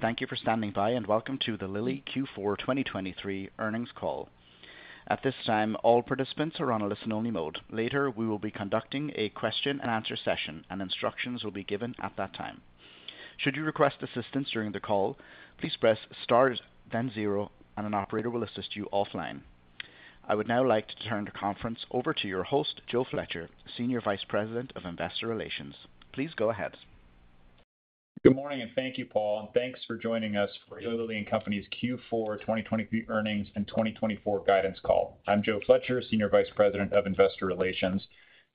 Thank you for standing by, and welcome to the Lilly Q4 2023 earnings call. At this time, all participants are on a listen-only mode. Later, we will be conducting a question and answer session, and instructions will be given at that time. Should you request assistance during the call, please press star, then zero, and an operator will assist you offline. I would now like to turn the conference over to your host, Joe Fletcher, Senior Vice President of Investor Relations. Please go ahead. Good morning, and thank you, Paul, and thanks for joining us for Lilly and Company's Q4 2023 earnings and 2024 guidance call. I'm Joe Fletcher, Senior Vice President of Investor Relations,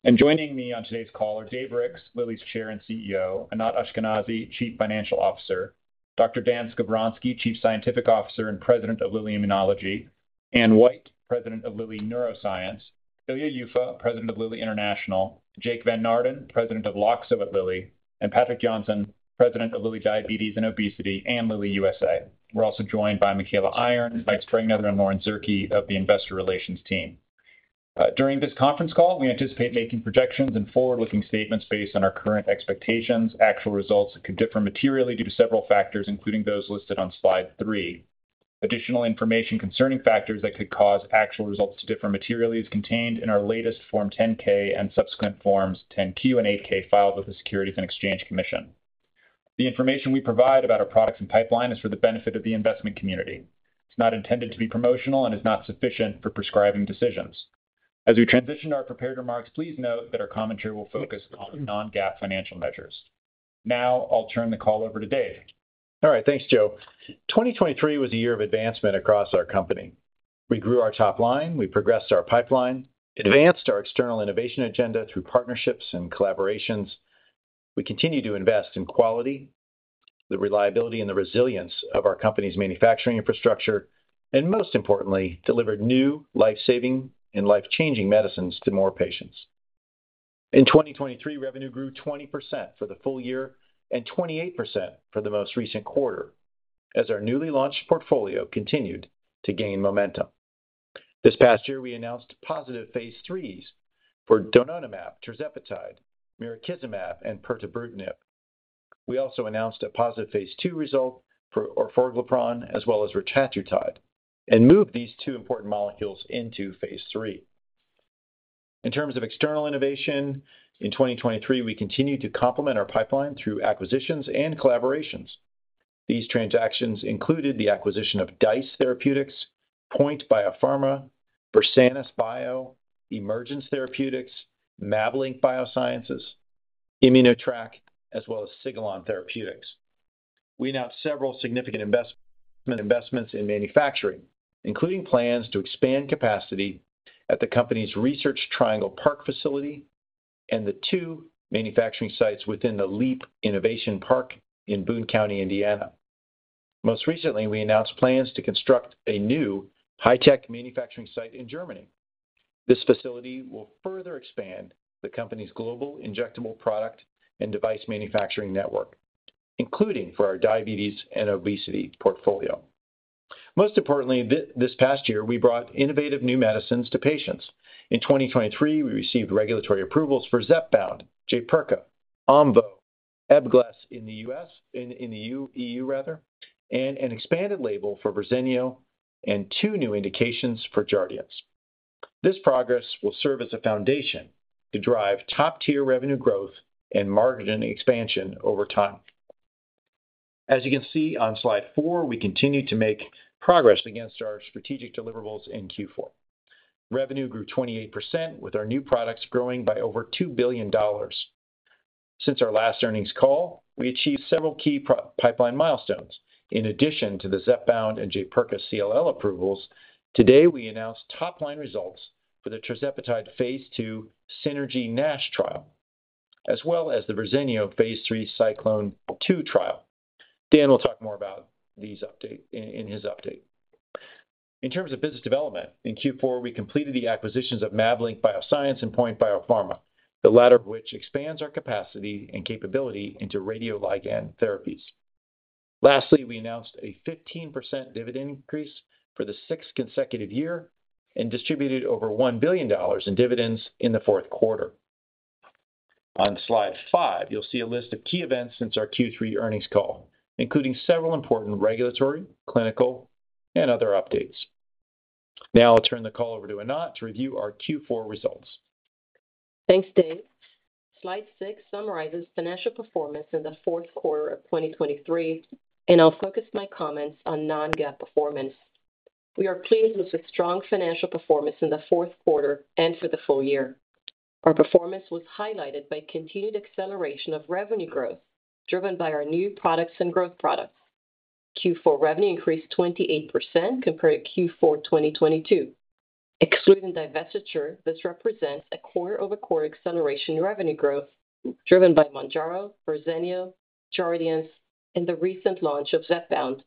and joining me on today's call are Dave Ricks, Lilly's Chair and CEO, Anat Ashkenazi, Chief Financial Officer, Dr. Dan Skovronsky, Chief Scientific Officer and President of Lilly Immunology, Anne White, President of Lilly Neuroscience, Ilya Yuffa, President of Lilly International, Jake Van Naarden, President of Loxo at Lilly, and Patrik Jonsson, President of Lilly Diabetes and Obesity, and Lilly USA. We're also joined by Michaela Vyer, Vice President, and Lauren Zierke of the Investor Relations team. During this conference call, we anticipate making projections and forward-looking statements based on our current expectations. Actual results could differ materially due to several factors, including those listed on slide three. Additional information concerning factors that could cause actual results to differ materially is contained in our latest Form 10-K and subsequent Forms 10-Q and 8-K filed with the Securities and Exchange Commission. The information we provide about our products and pipeline is for the benefit of the investment community. It's not intended to be promotional and is not sufficient for prescribing decisions. As we transition to our prepared remarks, please note that our commentary will focus on non-GAAP financial measures. Now, I'll turn the call over to Dave. All right, thanks, Joe. 2023 was a year of advancement across our company. We grew our top line, we progressed our pipeline, advanced our external innovation agenda through partnerships and collaborations. We continued to invest in quality, the reliability, and the resilience of our company's manufacturing infrastructure, and most importantly, delivered new life-saving and life-changing medicines to more patients. In 2023, revenue grew 20% for the full year and 28% for the most recent quarter as our newly launched portfolio continued to gain momentum. This past year, we announced positive phase III for Donanemab, tirzepatide, mirikizumab, and pirtobrutinib. We also announced a positive phase II result for orforglipron as well as Retatrutide, and moved these two important molecules into phase III. In terms of external innovation, in 2023, we continued to complement our pipeline through acquisitions and collaborations. These transactions included the acquisition of DICE Therapeutics, POINT Biopharma, Versanis Bio, Emergence Therapeutics, Mablink Biosciences, ImmuNext, as well as Sigilon Therapeutics. We announced several significant investments in manufacturing, including plans to expand capacity at the company's Research Triangle Park facility and the two manufacturing sites within the LEAP Innovation Park in Boone County, Indiana. Most recently, we announced plans to construct a new high-tech manufacturing site in Germany. This facility will further expand the company's global injectable product and device manufacturing network, including for our diabetes and obesity portfolio. Most importantly, this past year, we brought innovative new medicines to patients. In 2023, we received regulatory approvals for Zepbound, Jaypirca, Omvoh, Ebglyss in the U.S.... In the E.U., rather, and an expanded label for Verzenio and two new indications for Jardiance. This progress will serve as a foundation to drive top-tier revenue growth and margin expansion over time. As you can see on slide 4, we continue to make progress against our strategic deliverables in Q4. Revenue grew 28%, with our new products growing by over $2 billion. Since our last earnings call, we achieved several key pipeline milestones. In addition to the Zepbound and Jaypirca CLL approvals, today, we announced top-line results for the tirzepatide phase II SYNERGY-NASH trial, as well as the Verzenio phase III CYCLONE 2 trial. Dan will talk more about these update in his update. In terms of business development, in Q4, we completed the acquisitions of Mablink Biosciences and POINT Biopharma, the latter of which expands our capacity and capability into radioligand therapies. Lastly, we announced a 15% dividend increase for the sixth consecutive year and distributed over $1 billion in dividends in the Q4. On slide 5, you'll see a list of key events since our Q3 earnings call, including several important regulatory, clinical, and other updates. Now I'll turn the call over to Anat to review our Q4 results. Thanks, Dave. Slide six summarizes financial performance in the Q4 of 2023, and I'll focus my comments on non-GAAP performance. We are pleased with the strong financial performance in the Q4 and for the full year. Our performance was highlighted by continued acceleration of revenue growth, driven by our new products and growth products. Q4 revenue increased 28% compared to Q4 2022. Excluding divestiture, this represents a quarter-over-quarter acceleration in revenue growth, driven by Mounjaro, Verzenio, Jardiance, and the recent launch of Zepbound.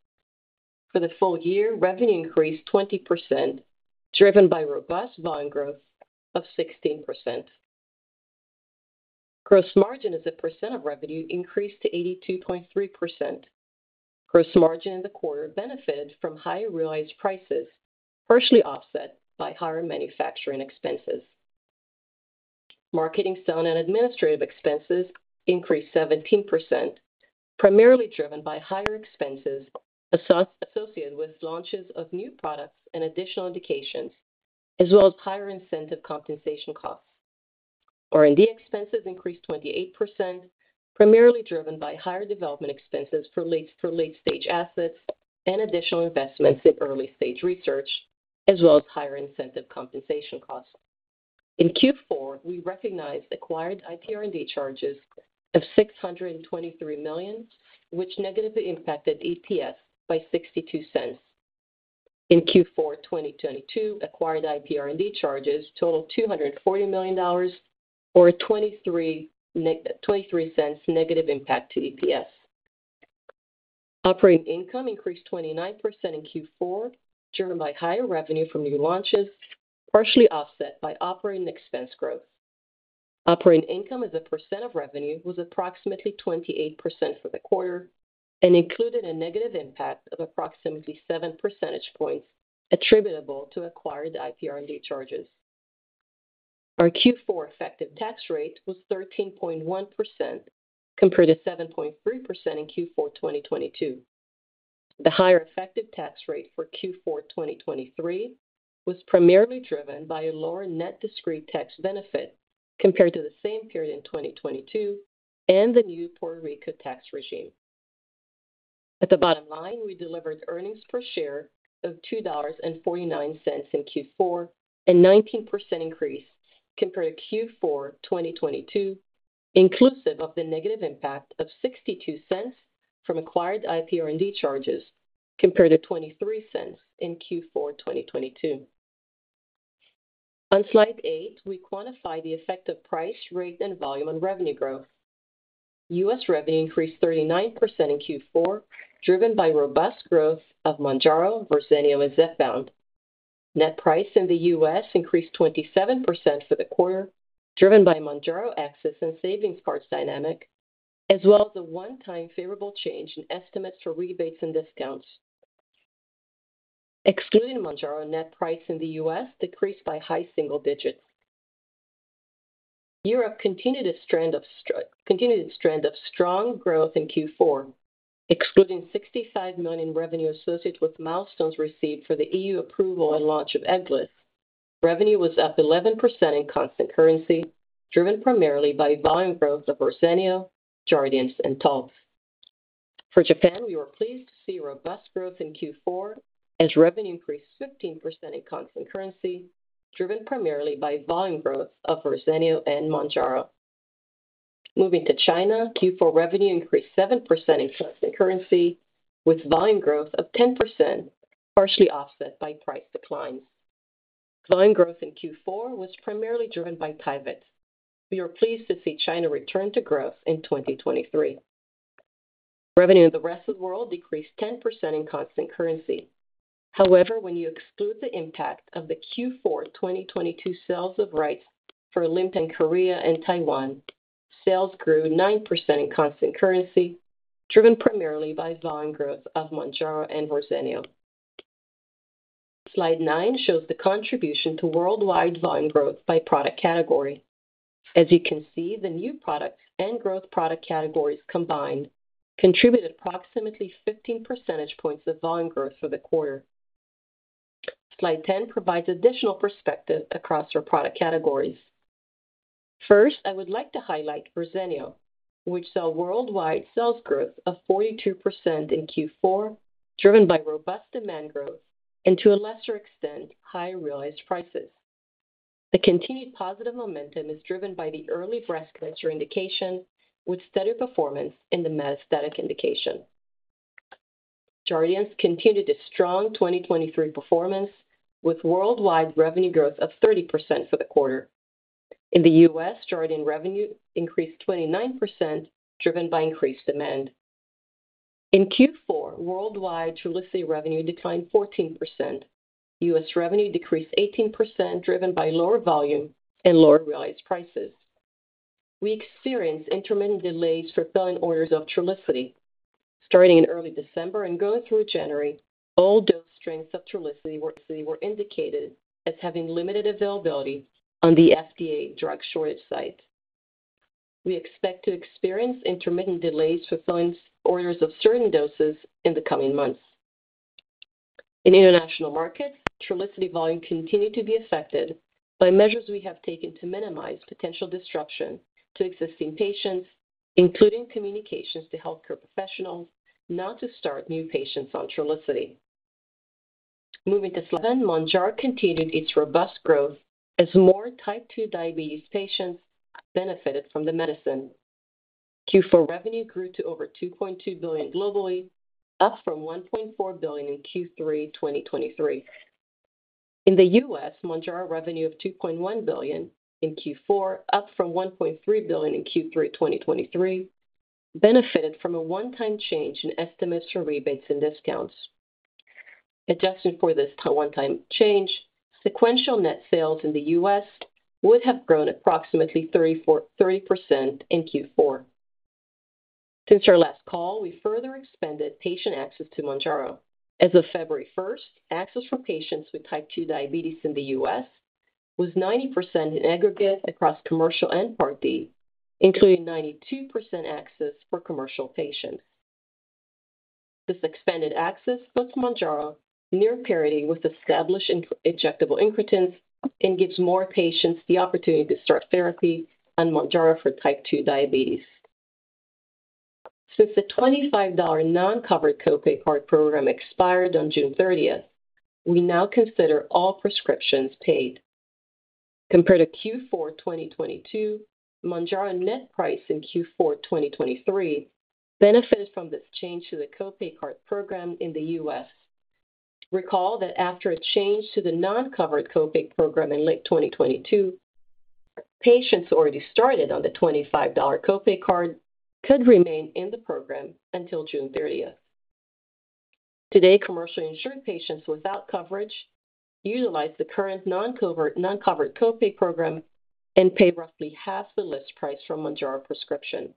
For the full year, revenue increased 20%, driven by robust volume growth of 16%. Gross margin as a percent of revenue increased to 82.3%. Gross margin in the quarter benefited from higher realized prices, partially offset by higher manufacturing expenses. Marketing, selling, and administrative expenses increased 17%, primarily driven by higher expenses associated with launches of new products and additional indications, as well as higher incentive compensation costs. R&D expenses increased 28%, primarily driven by higher development expenses for late-stage assets and additional investments in early-stage research, as well as higher incentive compensation costs. In Q4, we recognized acquired IP R&D charges of $623 million, which negatively impacted EPS by $0.62. In Q4 2022, acquired IP R&D charges totaled $240 million, or $0.23 negative impact to EPS. Operating income increased 29% in Q4, driven by higher revenue from new launches, partially offset by operating expense growth. Operating income as a percent of revenue was approximately 28% for the quarter and included a negative impact of approximately seven percentage points attributable to acquired IPR&D charges. Our Q4 effective tax rate was 13.1%, compared to 7.3% in Q4 2022. The higher effective tax rate for Q4 2023 was primarily driven by a lower net discrete tax benefit compared to the same period in 2022 and the new Puerto Rico tax regime. At the bottom line, we delivered earnings per share of $2.49 in Q4, a 19% increase compared to Q4 2022, inclusive of the negative impact of $0.62 from acquired IPR&D charges, compared to $0.23 in Q4 2022. On Slide 8, we quantify the effect of price, rate, and volume on revenue growth. U.S. revenue increased 39% in Q4, driven by robust growth of Mounjaro, Verzenio, and Zepbound. Net price in the U.S. increased 27% for the quarter, driven by Mounjaro access and savings price dynamic, as well as a one-time favorable change in estimates for rebates and discounts. Excluding Mounjaro, net price in the U.S. decreased by high single digits. Europe continued its trend of continued its trend of strong growth in Q4, excluding $65 million in revenue associated with milestones received for the E.U. approval and launch of Ebglyss. Revenue was up 11% in constant currency, driven primarily by volume growth of Verzenio, Jardiance, and Taltz. For Japan, we were pleased to see robust growth in Q4, as revenue increased 15% in constant currency, driven primarily by volume growth of Verzenio and Mounjaro. Moving to China, Q4 revenue increased 7% in constant currency, with volume growth of 10%, partially offset by price declines. Volume growth in Q4 was primarily driven by Tyvyt. We are pleased to see China return to growth in 2023. Revenue in the rest of the world decreased 10% in constant currency. However, when you exclude the impact of the Q4 2022 sales of rights for Olumiant in Korea and Taiwan, sales grew 9% in constant currency, driven primarily by volume growth of Mounjaro and Verzenio. Slide 9 shows the contribution to worldwide volume growth by product category. As you can see, the new product and growth product categories combined contributed approximately 15 percentage points of volume growth for the quarter. Slide 10 provides additional perspective across our product categories. First, I would like to highlight Verzenio, which saw worldwide sales growth of 42% in Q4, driven by robust demand growth and, to a lesser extent, higher realized prices. The continued positive momentum is driven by the early breast cancer indication, with steady performance in the metastatic indication. Jardiance continued its strong 2023 performance, with worldwide revenue growth of 30% for the quarter. In the U.S., Jardiance revenue increased 29%, driven by increased demand. In Q4, worldwide Trulicity revenue declined 14%. U.S. revenue decreased 18%, driven by lower volume and lower realized prices. We experienced intermittent delays fulfilling orders of Trulicity. Starting in early December and going through January, all dose strengths of Trulicity were indicated as having limited availability on the FDA drug shortage site. We expect to experience intermittent delays fulfilling orders of certain doses in the coming months. In international markets, Trulicity volume continued to be affected by measures we have taken to minimize potential disruption to existing patients, including communications to healthcare professionals, not to start new patients on Trulicity. Moving to Slide 11, Mounjaro continued its robust growth as more type 2 diabetes patients benefited from the medicine. Q4 revenue grew to over $2.2 billion globally, up from $1.4 billion in Q3 2023. In the U.S., Mounjaro revenue of $2.1 billion in Q4, up from $1.3 billion in Q3 2023, benefited from a one-time change in estimates for rebates and discounts. Adjusted for this one-time change, sequential net sales in the U.S. would have grown approximately 30%-34% in Q4. Since our last call, we further expanded patient access to Mounjaro. As of February 1, access for patients with type 2 diabetes in the U.S. was 90% in aggregate across commercial and Part D, including 92% access for commercial patients. This expanded access puts Mounjaro near parity with established injectable incretins and gives more patients the opportunity to start therapy on Mounjaro for type 2 diabetes. Since the $25 non-covered copay card program expired on June 30, we now consider all prescriptions paid. Compared to Q4 2022, Mounjaro net price in Q4 2023 benefited from this change to the copay card program in the U.S. Recall that after a change to the non-covered copay program in late 2022, patients already started on the $25 copay card could remain in the program until June 30. Today, commercial insured patients without coverage utilize the current non-covered, non-covered copay program and pay roughly half the list price for a Mounjaro prescription.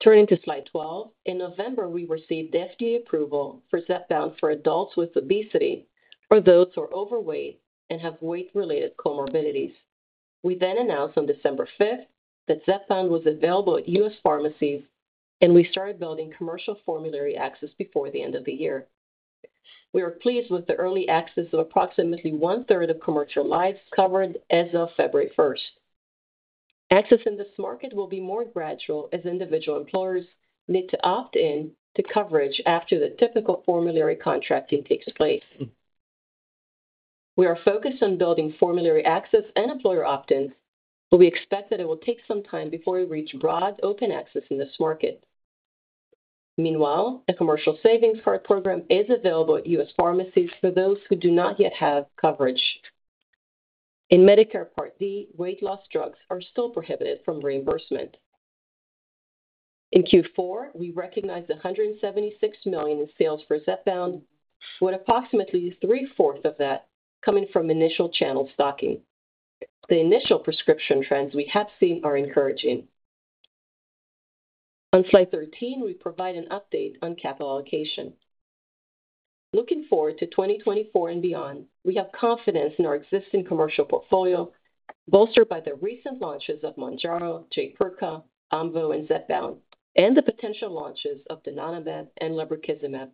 Turning to Slide 12. In November, we received FDA approval for Zepbound for adults with obesity or those who are overweight and have weight-related comorbidities. We then announced on December fifth that Zepbound was available at U.S. pharmacies, and we started building commercial formulary access before the end of the year. We are pleased with the early access of approximately one-third of commercial lives covered as of February first. Access in this market will be more gradual, as individual employers need to opt in to coverage after the typical formulary contracting takes place. We are focused on building formulary access and employer opt-ins, but we expect that it will take some time before we reach broad open access in this market. Meanwhile, a commercial savings card program is available at U.S. pharmacies for those who do not yet have coverage. In Medicare Part D, weight loss drugs are still prohibited from reimbursement. In Q4, we recognized $176 million in sales for Zepbound, with approximately three-fourths of that coming from initial channel stocking. The initial prescription trends we have seen are encouraging. On Slide 13, we provide an update on capital allocation. Looking forward to 2024 and beyond, we have confidence in our existing commercial portfolio, bolstered by the recent launches of Mounjaro, Jardiance, Omvoh, and Zepbound, and the potential launches of donanemab and lebrikizumab,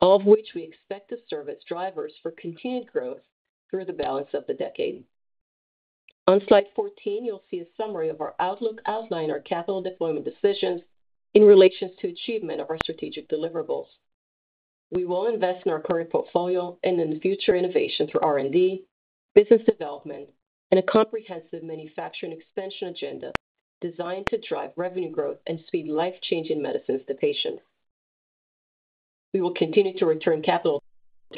all of which we expect to serve as drivers for continued growth through the balance of the decade. On Slide 14, you'll see a summary of our outlook outline, our capital deployment decisions in relation to achievement of our strategic deliverables. We will invest in our current portfolio and in the future innovation through R&D, business development, and a comprehensive manufacturing expansion agenda designed to drive revenue growth and speed life-changing medicines to patients. We will continue to return capital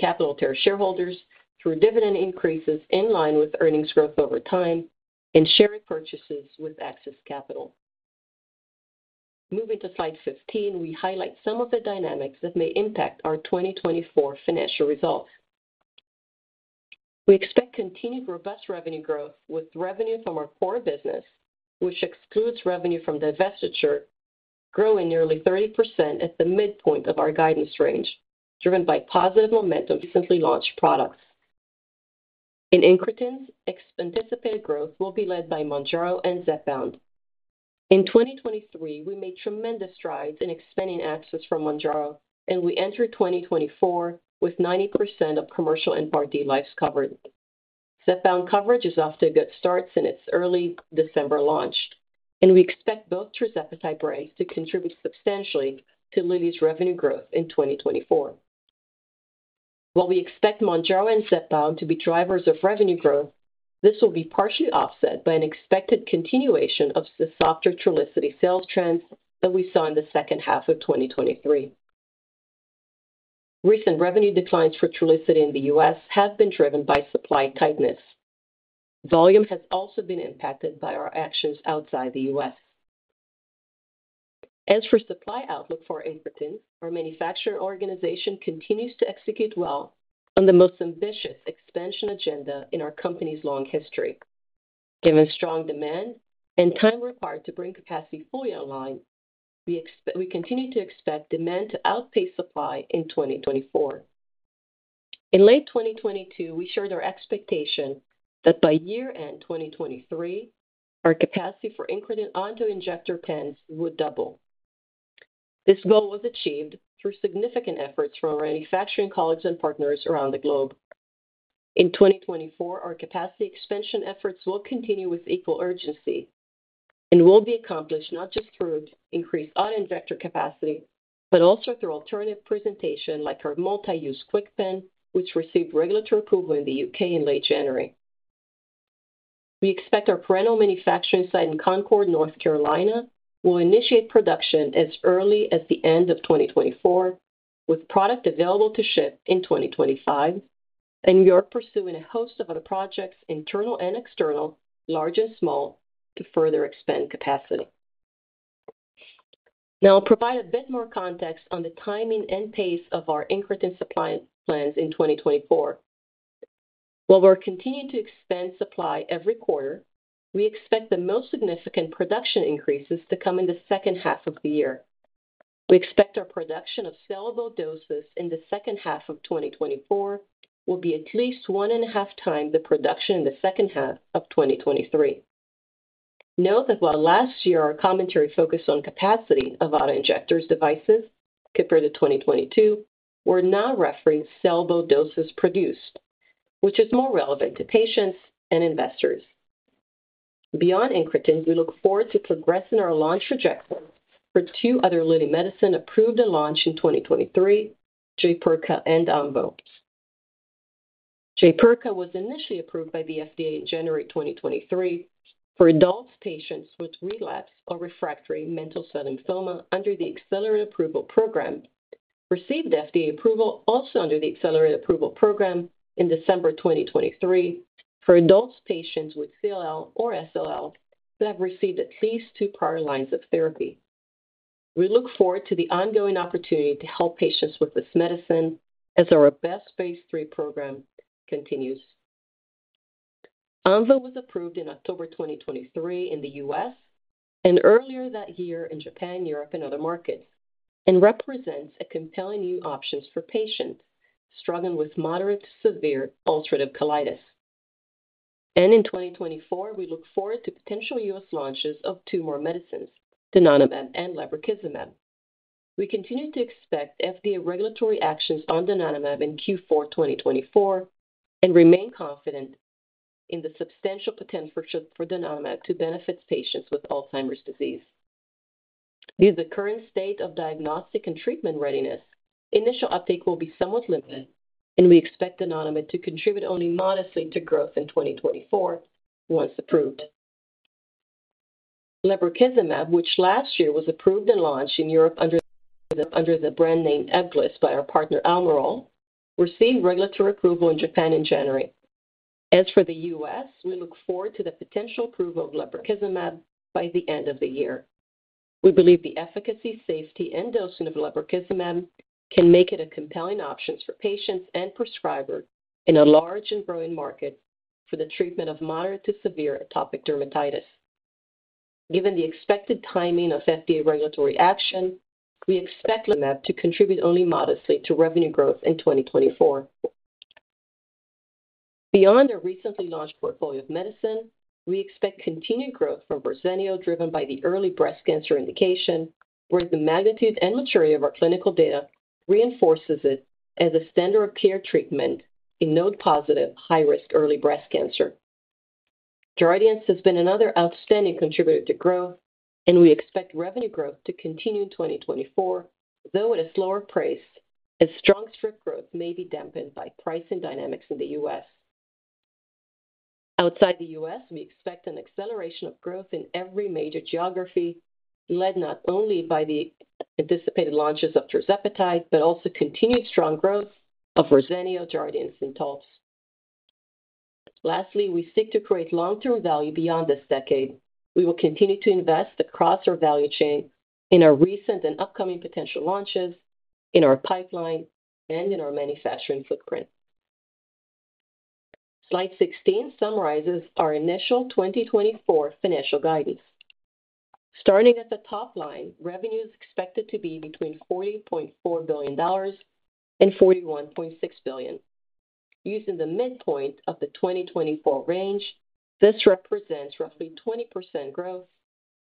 to our shareholders through dividend increases in line with earnings growth over time and share purchases with excess capital. Moving to Slide 15, we highlight some of the dynamics that may impact our 2024 financial results. We expect continued robust revenue growth, with revenue from our core business, which excludes revenue from divestiture, growing nearly 30% at the midpoint of our guidance range, driven by positive momentum in recently launched products. In incretins, anticipated growth will be led by Mounjaro and Zepbound. In 2023, we made tremendous strides in expanding access for Mounjaro, and we entered 2024 with 90% of commercial and Part D lives covered. Zepbound coverage is off to a good start in its early December launch, and we expect both tirzepatide brands to contribute substantially to Lilly's revenue growth in 2024. While we expect Mounjaro and Zepbound to be drivers of revenue growth, this will be partially offset by an expected continuation of the softer Trulicity sales trends that we saw in the second half of 2023. Recent revenue declines for Trulicity in the U.S. have been driven by supply tightness. Volume has also been impacted by our actions outside the U.S. As for supply outlook for incretins, our manufacturing organization continues to execute well on the most ambitious expansion agenda in our company's long history. Given strong demand and time required to bring capacity fully online, we continue to expect demand to outpace supply in 2024. In late 2022, we shared our expectation that by year-end 2023, our capacity for incretin auto-injector pens would double. This goal was achieved through significant efforts from our manufacturing colleagues and partners around the globe. In 2024, our capacity expansion efforts will continue with equal urgency and will be accomplished not just through increased auto-injector capacity, but also through alternative presentation, like our multi-use KwikPen, which received regulatory approval in the U.K. in late January. We expect our parenteral manufacturing site in Concord, North Carolina, will initiate production as early as the end of 2024, with product available to ship in 2025, and we are pursuing a host of other projects, internal and external, large and small, to further expand capacity. Now, I'll provide a bit more context on the timing and pace of our incretin supply plans in 2024. While we're continuing to expand supply every quarter, we expect the most significant production increases to come in the second half of the year. We expect our production of sellable doses in the second half of 2024 will be at least 1.5 times the production in the second half of 2023. Note that while last year our commentary focused on capacity of auto-injector devices compared to 2022, we're now referring sellable doses produced, which is more relevant to patients and investors. Beyond incretin, we look forward to progressing our launch trajectory for two other leading medicines approved and launched in 2023, Jaypirca and Omvoh. Jaypirca was initially approved by the FDA in January 2023 for adult patients with relapse or refractory mantle cell lymphoma under the Accelerated Approval Program, received FDA approval also under the Accelerated Approval Program in December 2023 for adult patients with CLL or SLL that have received at least two prior lines of therapy. We look forward to the ongoing opportunity to help patients with this medicine as our best phase III program continues. Omvoh was approved in October 2023 in the U.S., and earlier that year in Japan, Europe, and other markets, and represents a compelling new options for patients struggling with moderate to severe ulcerative colitis. In 2024, we look forward to potential U.S. launches of two more medicines, donanemab and lebrikizumab. We continue to expect FDA regulatory actions on Donanemab in Q4 2024, and remain confident in the substantial potential for Donanemab to benefit patients with Alzheimer's disease. Due to the current state of diagnostic and treatment readiness, initial uptake will be somewhat limited, and we expect Donanemab to contribute only modestly to growth in 2024, once approved. Lebrikizumab, which last year was approved and launched in Europe under the brand name Ebglyss by our partner, Almirall, received regulatory approval in Japan in January. As for the U.S., we look forward to the potential approval of Lebrikizumab by the end of the year. We believe the efficacy, safety, and dosing of Lebrikizumab can make it a compelling option for patients and prescribers in a large and growing market for the treatment of moderate to severe atopic dermatitis. Given the expected timing of FDA regulatory action, we expect lebrikizumab to contribute only modestly to revenue growth in 2024. Beyond our recently launched portfolio of medicine, we expect continued growth from Verzenio, driven by the early breast cancer indication, where the magnitude and maturity of our clinical data reinforces it as a standard of care treatment in node-positive, high-risk early breast cancer. Jardiance has been another outstanding contributor to growth, and we expect revenue growth to continue in 2024, though at a slower pace, as strong script growth may be dampened by pricing dynamics in the U.S. Outside the U.S., we expect an acceleration of growth in every major geography, led not only by the anticipated launches of tirzepatide, but also continued strong growth of Verzenio, Jardiance, and Taltz. Lastly, we seek to create long-term value beyond this decade. We will continue to invest across our value chain in our recent and upcoming potential launches, in our pipeline, and in our manufacturing footprint. Slide 16 summarizes our initial 2024 financial guidance. Starting at the top line, revenue is expected to be between $40.4 billion and $41.6 billion. Using the midpoint of the 2024 range, this represents roughly 20% growth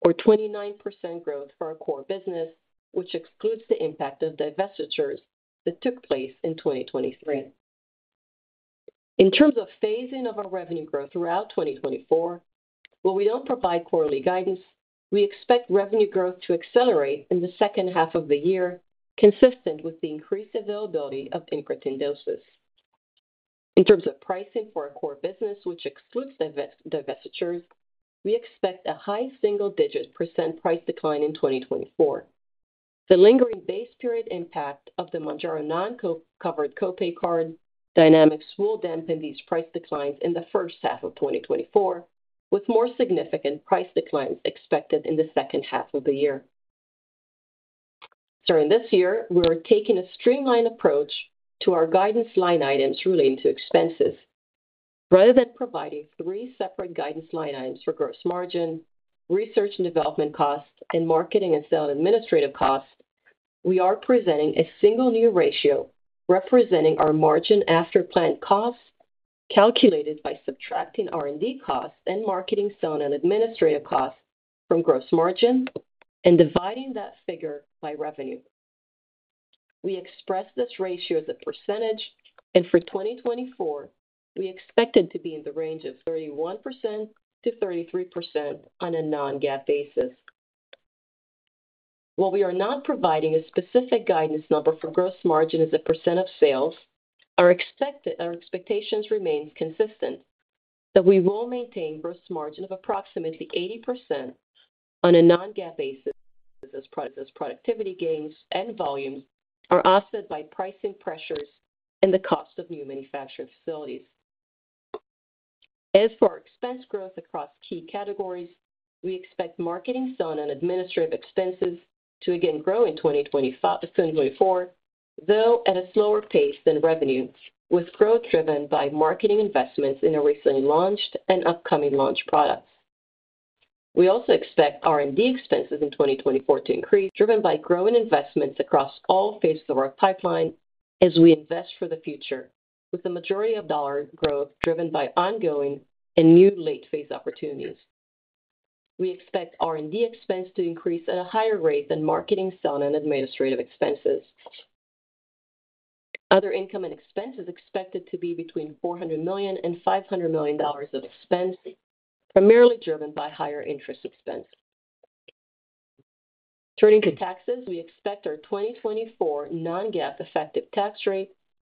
or 29% growth for our core business, which excludes the impact of divestitures that took place in 2023. In terms of phasing of our revenue growth throughout 2024, while we don't provide quarterly guidance, we expect revenue growth to accelerate in the second half of the year, consistent with the increased availability of incretin doses. In terms of pricing for our core business, which excludes divestitures, we expect a high single-digit % price decline in 2024. The lingering base period impact of the Mounjaro non-covered co-pay card dynamics will dampen these price declines in the first half of 2024, with more significant price declines expected in the second half of the year. During this year, we are taking a streamlined approach to our guidance line items relating to expenses. Rather than providing three separate guidance line items for gross margin, research and development costs, and marketing, selling, and administrative costs, we are presenting a single new ratio representing our margin after plant costs, calculated by subtracting R&D costs and marketing, selling, and administrative costs from gross margin and dividing that figure by revenue. We express this ratio as a percentage, and for 2024, we expect it to be in the range of 31%-33% on a non-GAAP basis. While we are not providing a specific guidance number for gross margin as a percent of sales, our expectations remain consistent that we will maintain gross margin of approximately 80% on a non-GAAP basis, as productivity gains and volumes are offset by pricing pressures and the cost of new manufacturing facilities. As for our expense growth across key categories, we expect marketing, selling, and administrative expenses to again grow in 2025, 2024, though at a slower pace than revenue, with growth driven by marketing investments in our recently launched and upcoming launch products. We also expect R&D expenses in 2024 to increase, driven by growing investments across all phases of our pipeline as we invest for the future, with the majority of dollar growth driven by ongoing and new late-phase opportunities. We expect R&D expense to increase at a higher rate than marketing, selling, and administrative expenses. Other income and expense is expected to be between $400 million and $500 million of expense, primarily driven by higher interest expense. Turning to taxes, we expect our 2024 non-GAAP effective tax rate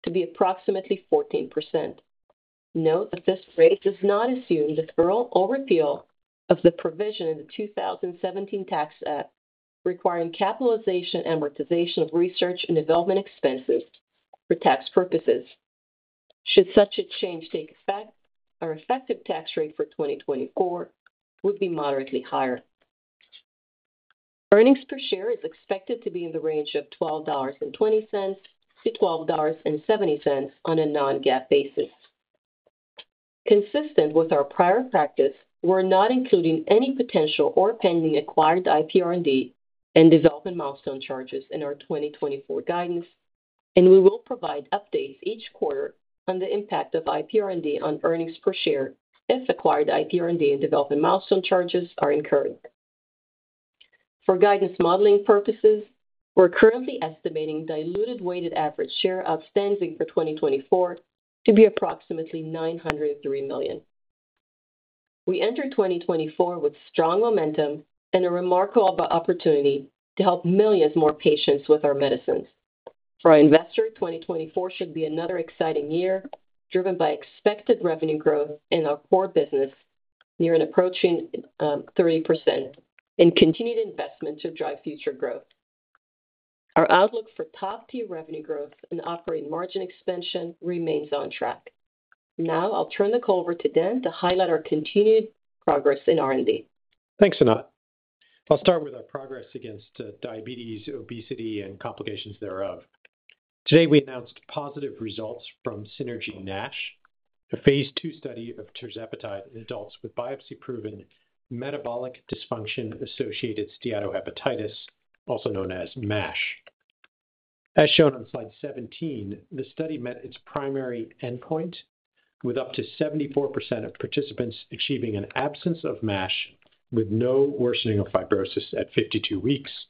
to be approximately 14%. Note that this rate does not assume deferral or repeal of the provision in the 2017 Tax Act, requiring capitalization, amortization of research and development expenses for tax purposes. Should such a change take effect, our effective tax rate for 2024 would be moderately higher. Earnings per share is expected to be in the range of $12.20-$12.70 on a non-GAAP basis. Consistent with our prior practice, we're not including any potential or pending acquired IP R&D and development milestone charges in our 2024 guidance, and we will provide updates each quarter on the impact of IP R&D on earnings per share, if acquired IP R&D and development milestone charges are incurred. For guidance modeling purposes, we're currently estimating diluted weighted average shares outstanding for 2024 to be approximately 903 million. We enter 2024 with strong momentum and a remarkable opportunity to help millions more patients with our medicines. For our investors, 2024 should be another exciting year, driven by expected revenue growth in our core business, near and approaching 30% and continued investment to drive future growth. Our outlook for top-tier revenue growth and operating margin expansion remains on track. Now I'll turn the call over to Dan to highlight our continued progress in R&D. Thanks, Anat. I'll start with our progress against diabetes, obesity, and complications thereof. Today, we announced positive results from SYNERGY-NASH, a phase II study of tirzepatide in adults with biopsy-proven metabolic dysfunction-associated steatohepatitis, also known as MASH. As shown on slide 17, the study met its primary endpoint, with up to 74% of participants achieving an absence of MASH, with no worsening of fibrosis at 52 weeks,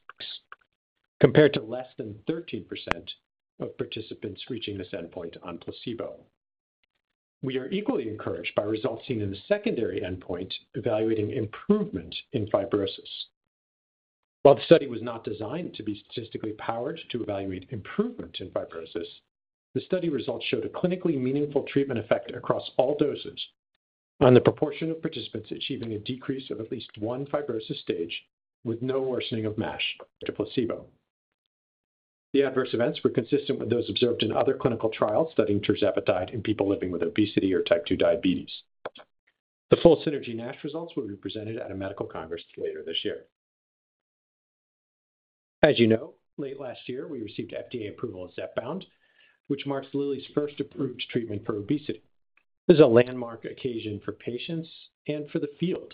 compared to less than 13% of participants reaching this endpoint on placebo. We are equally encouraged by results seen in the secondary endpoint evaluating improvement in fibrosis. While the study was not designed to be statistically powered to evaluate improvement in fibrosis, the study results showed a clinically meaningful treatment effect across all doses on the proportion of participants achieving a decrease of at least one fibrosis stage with no worsening of MASH to placebo. The adverse events were consistent with those observed in other clinical trials studying tirzepatide in people living with obesity or type 2 diabetes. The full SYNERGY-NASH results will be presented at a medical congress later this year. As you know, late last year, we received FDA approval of Zepbound, which marks Lilly's first approved treatment for obesity. This is a landmark occasion for patients and for the field,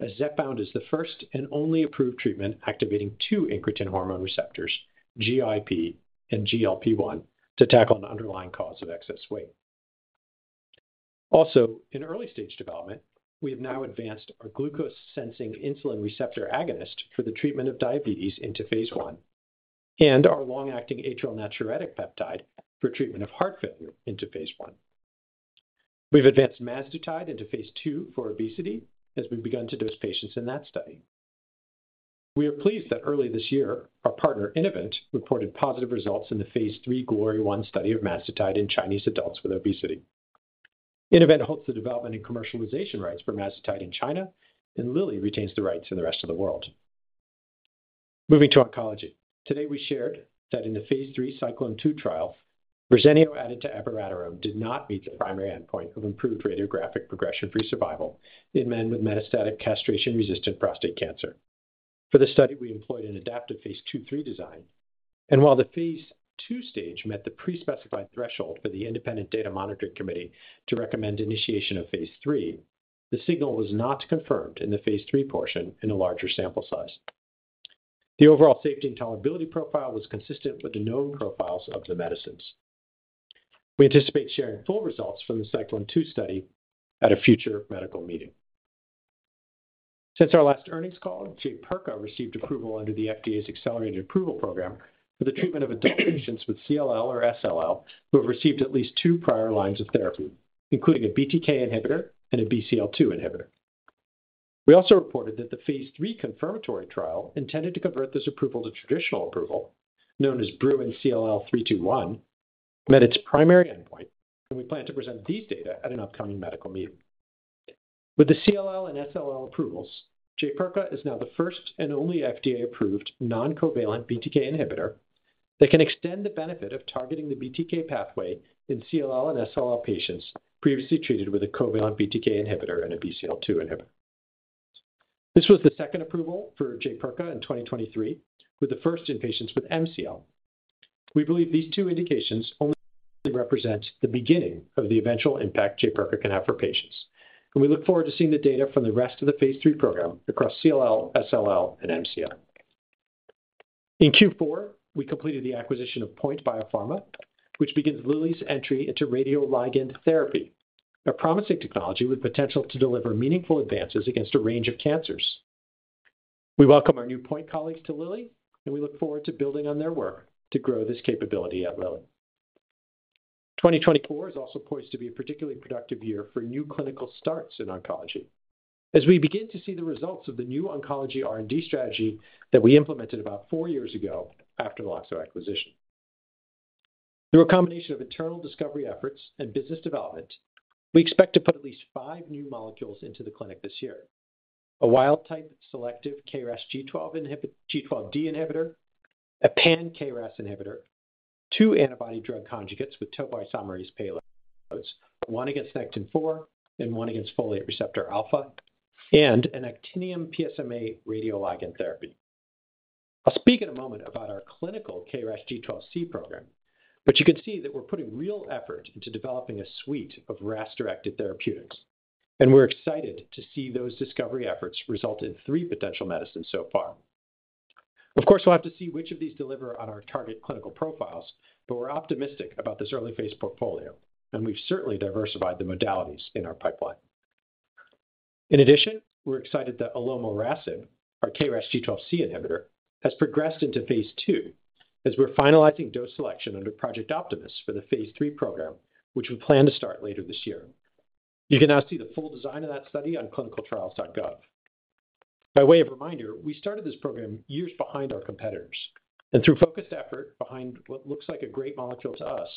as Zepbound is the first and only approved treatment activating 2 incretin hormone receptors, GIP and GLP-1, to tackle an underlying cause of excess weight. Also, in early-stage development, we have now advanced our glucose-sensing insulin receptor agonist for the treatment of diabetes into phase I, and our long-acting atrial natriuretic peptide for treatment of heart failure into phase I. We've advanced Mazdutide into phase II for obesity, as we've begun to dose patients in that study. We are pleased that early this year, our partner, Innovent, reported positive results in the phase III GLORY-1 study of Mazdutide in Chinese adults with obesity. Innovent holds the development and commercialization rights for Mazdutide in China, and Lilly retains the rights in the rest of the world. Moving to oncology. Today, we shared that in the phase III CYCLONE-2 trial, Verzenio added to abiraterone did not meet the primary endpoint of improved radiographic progression-free survival in men with metastatic castration-resistant prostate cancer. For the study, we employed an adaptive phase II, III design, and while the phase II stage met the pre-specified threshold for the independent data monitoring committee to recommend initiation of phase III, the signal was not confirmed in the phase III portion in a larger sample size. The overall safety and tolerability profile was consistent with the known profiles of the medicines. We anticipate sharing full results from the Cyclone 2 study at a future medical meeting. Since our last earnings call, Jaypirca received approval under the FDA's accelerated approval program for the treatment of adult patients with CLL or SLL, who have received at least two prior lines of therapy, including a BTK inhibitor and a BCL-2 inhibitor. We also reported that the phase 3 confirmatory trial intended to convert this approval to traditional approval, known as Bruin-CLL-321, met its primary endpoint, and we plan to present these data at an upcoming medical meeting. With the CLL and SLL approvals, Jaypirca is now the first and only FDA-approved non-covalent BTK inhibitor that can extend the benefit of targeting the BTK pathway in CLL and SLL patients previously treated with a covalent BTK inhibitor and a BCL-2 inhibitor. This was the second approval for Jaypirca in 2023, with the first in patients with MCL. We believe these two indications only represent the beginning of the eventual impact Jaypirca can have for patients, and we look forward to seeing the data from the rest of the phase III program across CLL, SLL, and MCL. In Q4, we completed the acquisition of POINT Biopharma, which begins Lilly's entry into radioligand therapy, a promising technology with potential to deliver meaningful advances against a range of cancers. We welcome our new Point colleagues to Lilly, and we look forward to building on their work to grow this capability at Lilly. 2024 is also poised to be a particularly productive year for new clinical starts in oncology, as we begin to see the results of the new oncology R&D strategy that we implemented about four years ago after Loxo acquisition. Through a combination of internal discovery efforts and business development, we expect to put at least 5 new molecules into the clinic this year. A wild-type selective KRAS G12D inhibitor, a pan-KRAS inhibitor, 2 antibody-drug conjugates with topoisomerase payloads, one against Nectin-4 and one against folate receptor alpha, and an actinium PSMA radioligand therapy. I'll speak in a moment about our clinical KRAS G12C program, but you can see that we're putting real effort into developing a suite of RAS-directed therapeutics, and we're excited to see those discovery efforts result in 3 potential medicines so far. Of course, we'll have to see which of these deliver on our target clinical profiles, but we're optimistic about this early phase portfolio, and we've certainly diversified the modalities in our pipeline. In addition, we're excited that Olomorasib, our KRAS G12C inhibitor, has progressed into phase II as we're finalizing dose selection under Project Optimus for the phase III program, which we plan to start later this year. You can now see the full design of that study on clinicaltrials.gov. By way of reminder, we started this program years behind our competitors, and through focused effort behind what looks like a great molecule to us,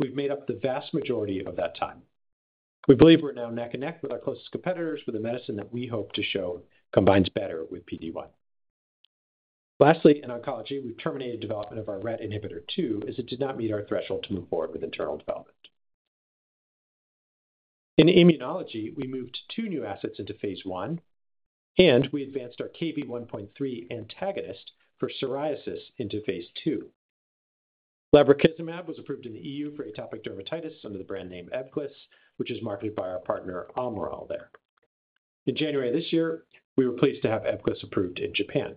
we've made up the vast majority of that time. We believe we're now neck and neck with our closest competitors, with a medicine that we hope to show combines better with PD-1. Lastly, in oncology, we've terminated development of our RET inhibitor two, as it did not meet our threshold to move forward with internal development. In immunology, we moved two new assets into phase I, and we advanced our Kv1.3 antagonist for psoriasis into phase II. Lebrikizumab was approved in the EU for atopic dermatitis under the brand name Ebglyss, which is marketed by our partner Almirall there. In January this year, we were pleased to have Ebglyss approved in Japan.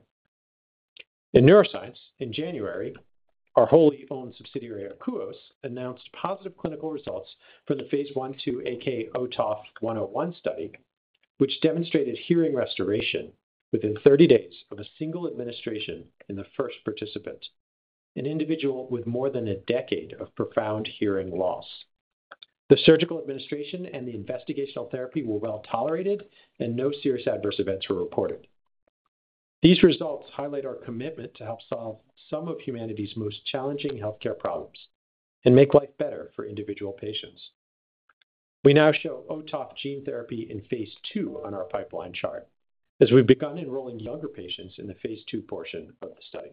In neuroscience, in January, our wholly-owned subsidiary, Akouos, announced positive clinical results for the phase I/II AK-OTOF-101 study, which demonstrated hearing restoration within 30 days of a single administration in the first participant, an individual with more than a decade of profound hearing loss. The surgical administration and the investigational therapy were well-tolerated, and no serious adverse events were reported. These results highlight our commitment to help solve some of humanity's most challenging healthcare problems and make life better for individual patients. We now show OTOF gene therapy in phase II on our pipeline chart, as we've begun enrolling younger patients in the phase II portion of the study.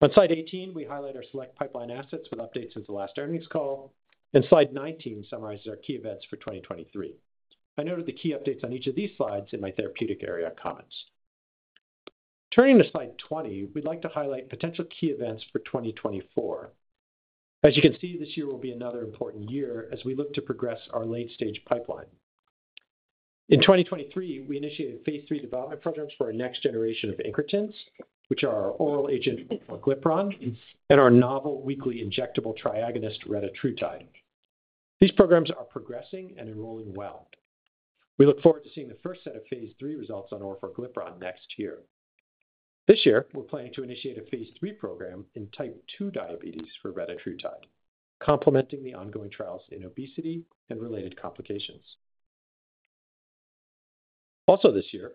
On slide 18, we highlight our select pipeline assets with updates since the last earnings call, and slide 19 summarizes our key events for 2023. I noted the key updates on each of these slides in my therapeutic area comments. Turning to slide 20, we'd like to highlight potential key events for 2024. As you can see, this year will be another important year as we look to progress our late-stage pipeline. In 2023, we initiated phase III development programs for our next generation of incretins, which are our oral agent, orforglipron, and our novel weekly injectable triagonist, retatrutide. These programs are progressing and enrolling well. We look forward to seeing the first set of phase III results on orforglipron next year. This year, we're planning to initiate a phase III program in type two diabetes for retatrutide, complementing the ongoing trials in obesity and related complications. Also this year,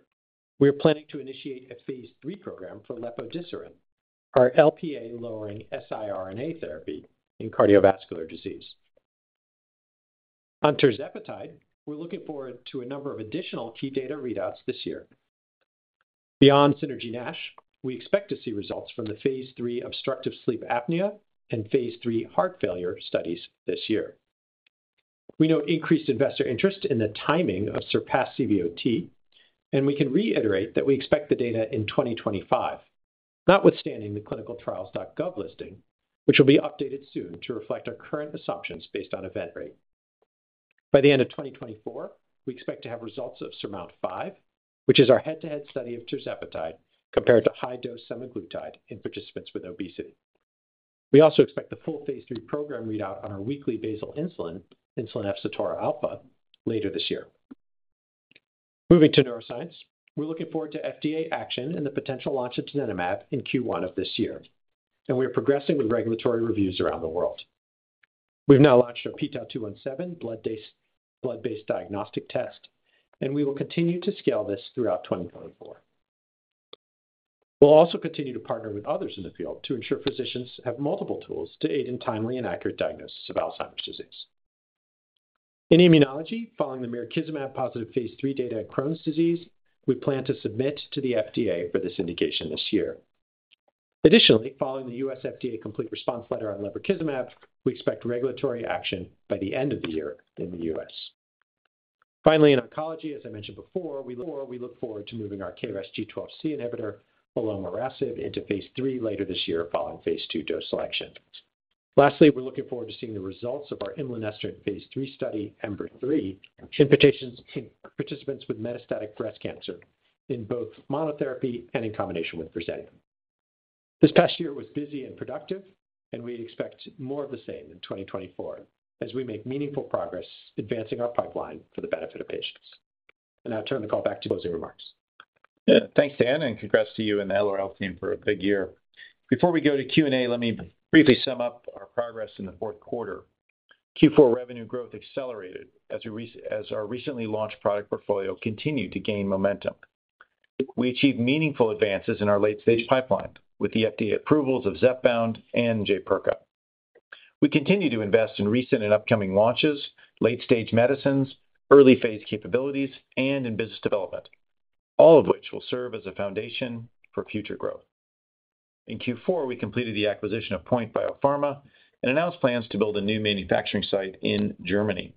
we are planning to initiate a phase III program for Lepodisirin, our Lp(a)-lowering siRNA therapy in cardiovascular disease. On tirzepatide, we're looking forward to a number of additional key data readouts this year. Beyond Synergy NASH, we expect to see results from the phase III obstructive sleep apnea and phase III heart failure studies this year. We know increased investor interest in the timing of Surpass CVOT, and we can reiterate that we expect the data in 2025, notwithstanding the ClinicalTrials.gov listing, which will be updated soon to reflect our current assumptions based on event rate. By the end of 2024, we expect to have results of SURMOUNT-5, which is our head-to-head study of tirzepatide compared to high-dose semaglutide in participants with obesity. We also expect the full phase III program readout on our weekly basal insulin, insulin efsitora alfa, later this year. Moving to neuroscience, we're looking forward to FDA action and the potential launch of donanemab in Q1 of this year, and we are progressing with regulatory reviews around the world. We've now launched our P-tau217 blood-based diagnostic test, and we will continue to scale this throughout 2024. We'll also continue to partner with others in the field to ensure physicians have multiple tools to aid in timely and accurate diagnosis of Alzheimer's disease. In immunology, following the mirikizumab positive phase III data in Crohn's disease, we plan to submit to the FDA for this indication this year. Additionally, following the US FDA complete response letter on lebrikizumab, we expect regulatory action by the end of the year in the US. Finally, in oncology, as I mentioned before, we look forward to moving our KRAS G12C inhibitor, olomorasib, into phase III later this year following phase II dose selection. Lastly, we're looking forward to seeing the results of our imlunestrant phase III study, Ember-3, in participants with metastatic breast cancer in both monotherapy and in combination with Verzenio. This past year was busy and productive, and we expect more of the same in 2024 as we make meaningful progress advancing our pipeline for the benefit of patients. I'll now turn the call back to closing remarks. Yeah, thanks, Dan, and congrats to you and the LRL team for a big year. Before we go to Q&A, let me briefly sum up our progress in the Q4. Q4 revenue growth accelerated as our recently launched product portfolio continued to gain momentum. We achieved meaningful advances in our late-stage pipeline with the FDA approvals of Zepbound and Jaypirca. We continue to invest in recent and upcoming launches, late-stage medicines, early-phase capabilities, and in business development, all of which will serve as a foundation for future growth. In Q4, we completed the acquisition of Point Biopharma and announced plans to build a new manufacturing site in Germany.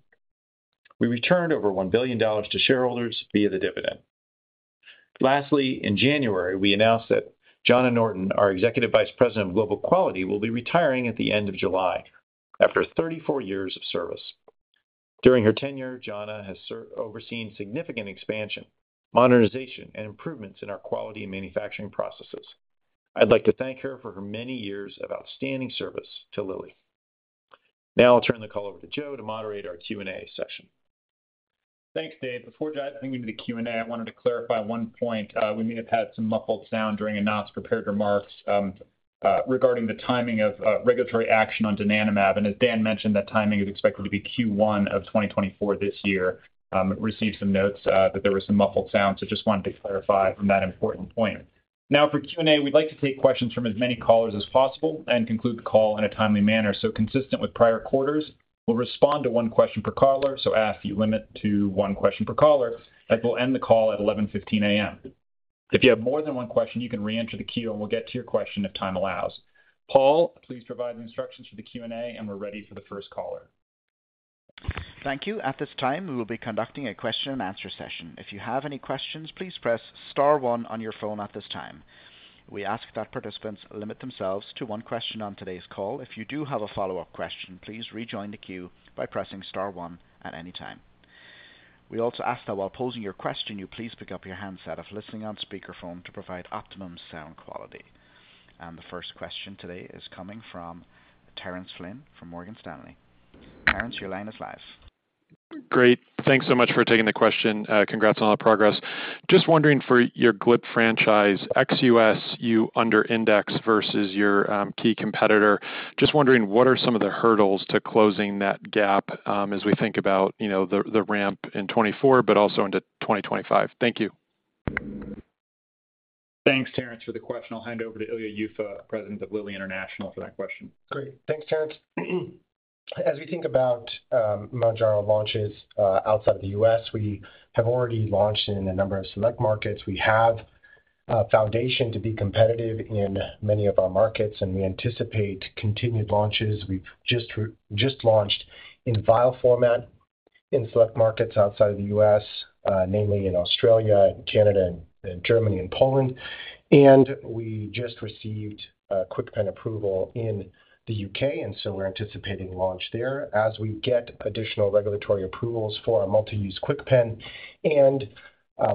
We returned over $1 billion to shareholders via the dividend. Lastly, in January, we announced that Johna Norton, our Executive Vice President of Global Quality, will be retiring at the end of July after 34 years of service. During her tenure, Johna has overseen significant expansion, modernization, and improvements in our quality and manufacturing processes. I'd like to thank her for her many years of outstanding service to Lilly. Now I'll turn the call over to Joe to moderate our Q&A session. Thanks, Dave. Before diving into the Q&A, I wanted to clarify one point. We may have had some muffled sound during Anat's prepared remarks, regarding the timing of, regulatory action on donanemab, and as Dan mentioned, that timing is expected to be Q1 of 2024 this year. Received some notes, that there was some muffled sound, so just wanted to clarify on that important point. Now, for Q&A, we'd like to take questions from as many callers as possible and conclude the call in a timely manner. So consistent with prior quarters, we'll respond to one question per caller, so ask you limit to one question per caller, and we'll end the call at 11:15 A.M. If you have more than one question, you can reenter the queue, and we'll get to your question if time allows. Paul, please provide instructions for the Q&A, and we're ready for the first caller. Thank you. At this time, we will be conducting a question and answer session. If you have any questions, please press star one on your phone at this time. We ask that participants limit themselves to one question on today's call. If you do have a follow-up question, please rejoin the queue by pressing star one at any time. We also ask that while posing your question, you please pick up your handset if listening on speakerphone to provide optimum sound quality. And the first question today is coming from Terence Flynn from Morgan Stanley. Terence, your line is live. Great. Thanks so much for taking the question. Congrats on all the progress. Just wondering, for your GLP-1 franchise, ex-US, you under index versus your key competitor. Just wondering, what are some of the hurdles to closing that gap, as we think about, you know, the ramp in 2024 but also into 2025? Thank you. Thanks, Terence, for the question. I'll hand over to Ilya Yuffa, President of Lilly International, for that question. Great. Thanks, Terence. As we think about Mounjaro launches outside the U.S., we have already launched in a number of select markets. We have a foundation to be competitive in many of our markets, and we anticipate continued launches. We've just launched in vial format in select markets outside of the U.S., namely in Australia, Canada, and Germany, and Poland. And we just received a KwikPen approval in the U.K., and so we're anticipating launch there. As we get additional regulatory approvals for our multi-use KwikPen, and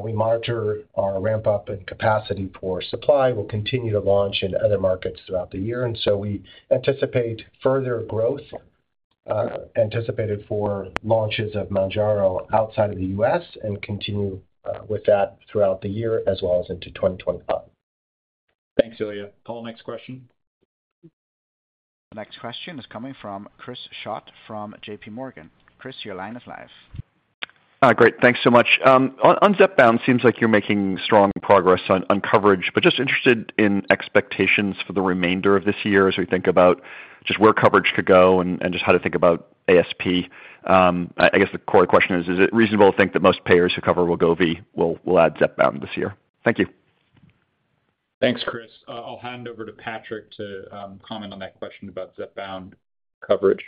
we monitor our ramp-up and capacity for supply, we'll continue to launch in other markets throughout the year, and so we anticipate further growth anticipated for launches of Mounjaro outside of the U.S. and continue with that throughout the year as well as into 2025. Thanks, Ilya. Paul, next question. The next question is coming from Chris Schott from J.P. Morgan. Chris, your line is live. Great, thanks so much. On Zepbound, seems like you're making strong progress on coverage, but just interested in expectations for the remainder of this year as we think about just where coverage could go and just how to think about ASP. I guess the core question is, is it reasonable to think that most payers who cover Wegovy will add Zepbound this year? Thank you. Thanks, Chris. I'll hand over to Patrik to comment on that question about Zepbound coverage.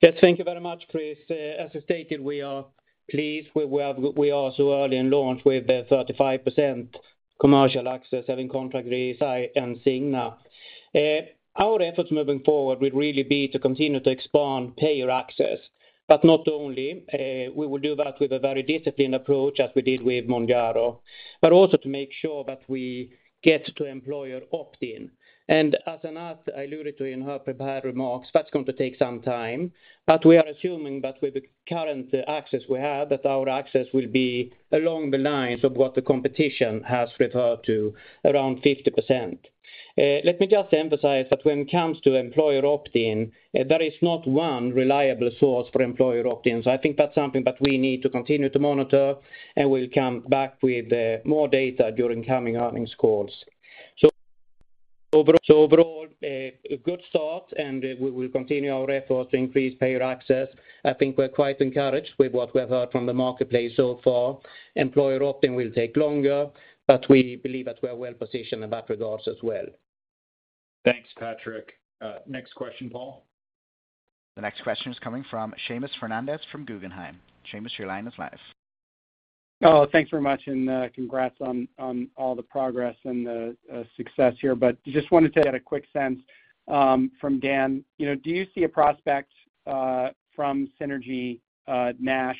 Yes, thank you very much, Chris. As I stated, we are pleased with where we are so early in launch with 35% commercial access, having contract with ESI and Cigna. Our efforts moving forward would really be to continue to expand payer access, but not only, we will do that with a very disciplined approach, as we did with Mounjaro, but also to make sure that we get to employer opt-in. And as Anat alluded to in her prepared remarks, that's going to take some time, but we are assuming that with the current access we have, that our access will be along the lines of what the competition has referred to, around 50%.... Let me just emphasize that when it comes to employer opt-in, there is not one reliable source for employer opt-ins. I think that's something that we need to continue to monitor, and we'll come back with more data during coming earnings calls. So overall, a good start, and we will continue our efforts to increase payer access. I think we're quite encouraged with what we have heard from the marketplace so far. Employer opt-in will take longer, but we believe that we are well positioned in that regard as well. Thanks, Patrik. Next question, Paul. The next question is coming from Seamus Fernandez from Guggenheim. Seamus, your line is live. Oh, thanks very much, and, congrats on all the progress and the success here. But just wanted to get a quick sense, from Dan. You know, do you see a prospect, from Synergy, NASH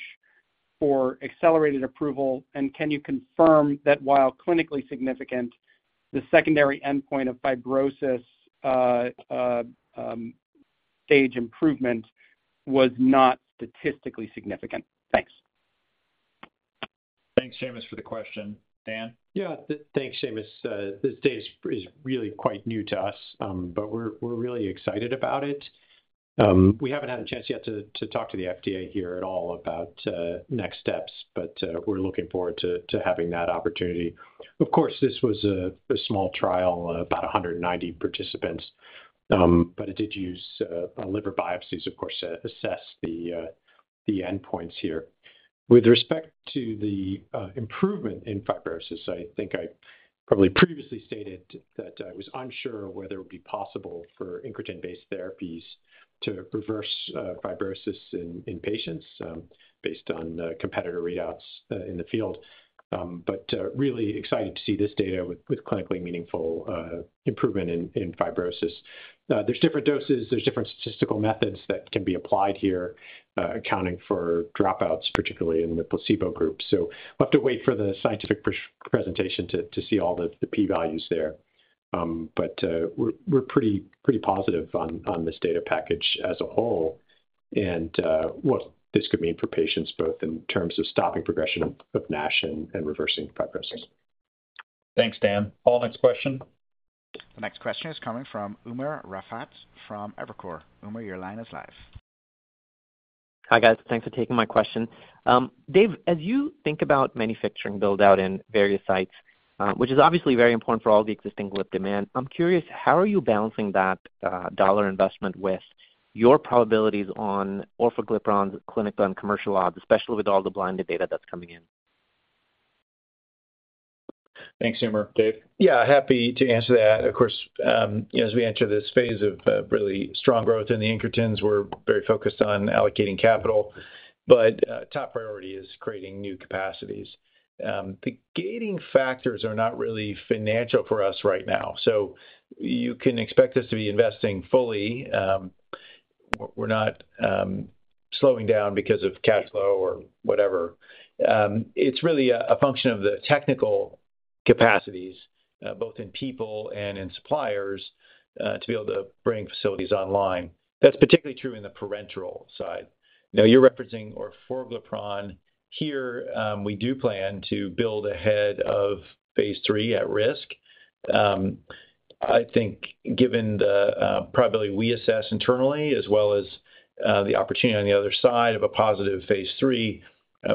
for accelerated approval? And can you confirm that while clinically significant, the secondary endpoint of fibrosis, stage improvement was not statistically significant? Thanks. Thanks, Seamus, for the question. Dan? Yeah, thanks, Seamus. This data is really quite new to us, but we're really excited about it. We haven't had a chance yet to talk to the FDA here at all about next steps, but we're looking forward to having that opportunity. Of course, this was a small trial, about 190 participants, but it did use liver biopsies, of course, to assess the endpoints here. With respect to the improvement in fibrosis, I think I probably previously stated that I was unsure whether it would be possible for incretin-based therapies to reverse fibrosis in patients, based on competitor readouts in the field. But really excited to see this data with clinically meaningful improvement in fibrosis. There's different doses, there's different statistical methods that can be applied here, accounting for dropouts, particularly in the placebo group. So we'll have to wait for the scientific presentation to see all the P values there. But we're pretty positive on this data package as a whole and what this could mean for patients, both in terms of stopping progression of NASH and reversing fibrosis. Thanks, Dan. Paul, next question. The next question is coming from Umer Raffat from Evercore. Umar, your line is live. Hi, guys. Thanks for taking my question. Dave, as you think about manufacturing build-out in various sites, which is obviously very important for all the existing GLP demand, I'm curious, how are you balancing that dollar investment with your probabilities on orforglipron's clinical and commercial odds, especially with all the blinded data that's coming in? Thanks, Umar. Dave? Yeah, happy to answer that. Of course, as we enter this phase of, really strong growth in the incretins, we're very focused on allocating capital, but, top priority is creating new capacities. The gating factors are not really financial for us right now, so you can expect us to be investing fully. We're, we're not, slowing down because of cash flow or whatever. It's really a, a function of the technical capacities, both in people and in suppliers, to be able to bring facilities online. That's particularly true in the parenteral side. Now, you're referencing orforglipron. Here, we do plan to build ahead of phase III at risk. I think given the probability we assess internally, as well as the opportunity on the other side of a positive phase three,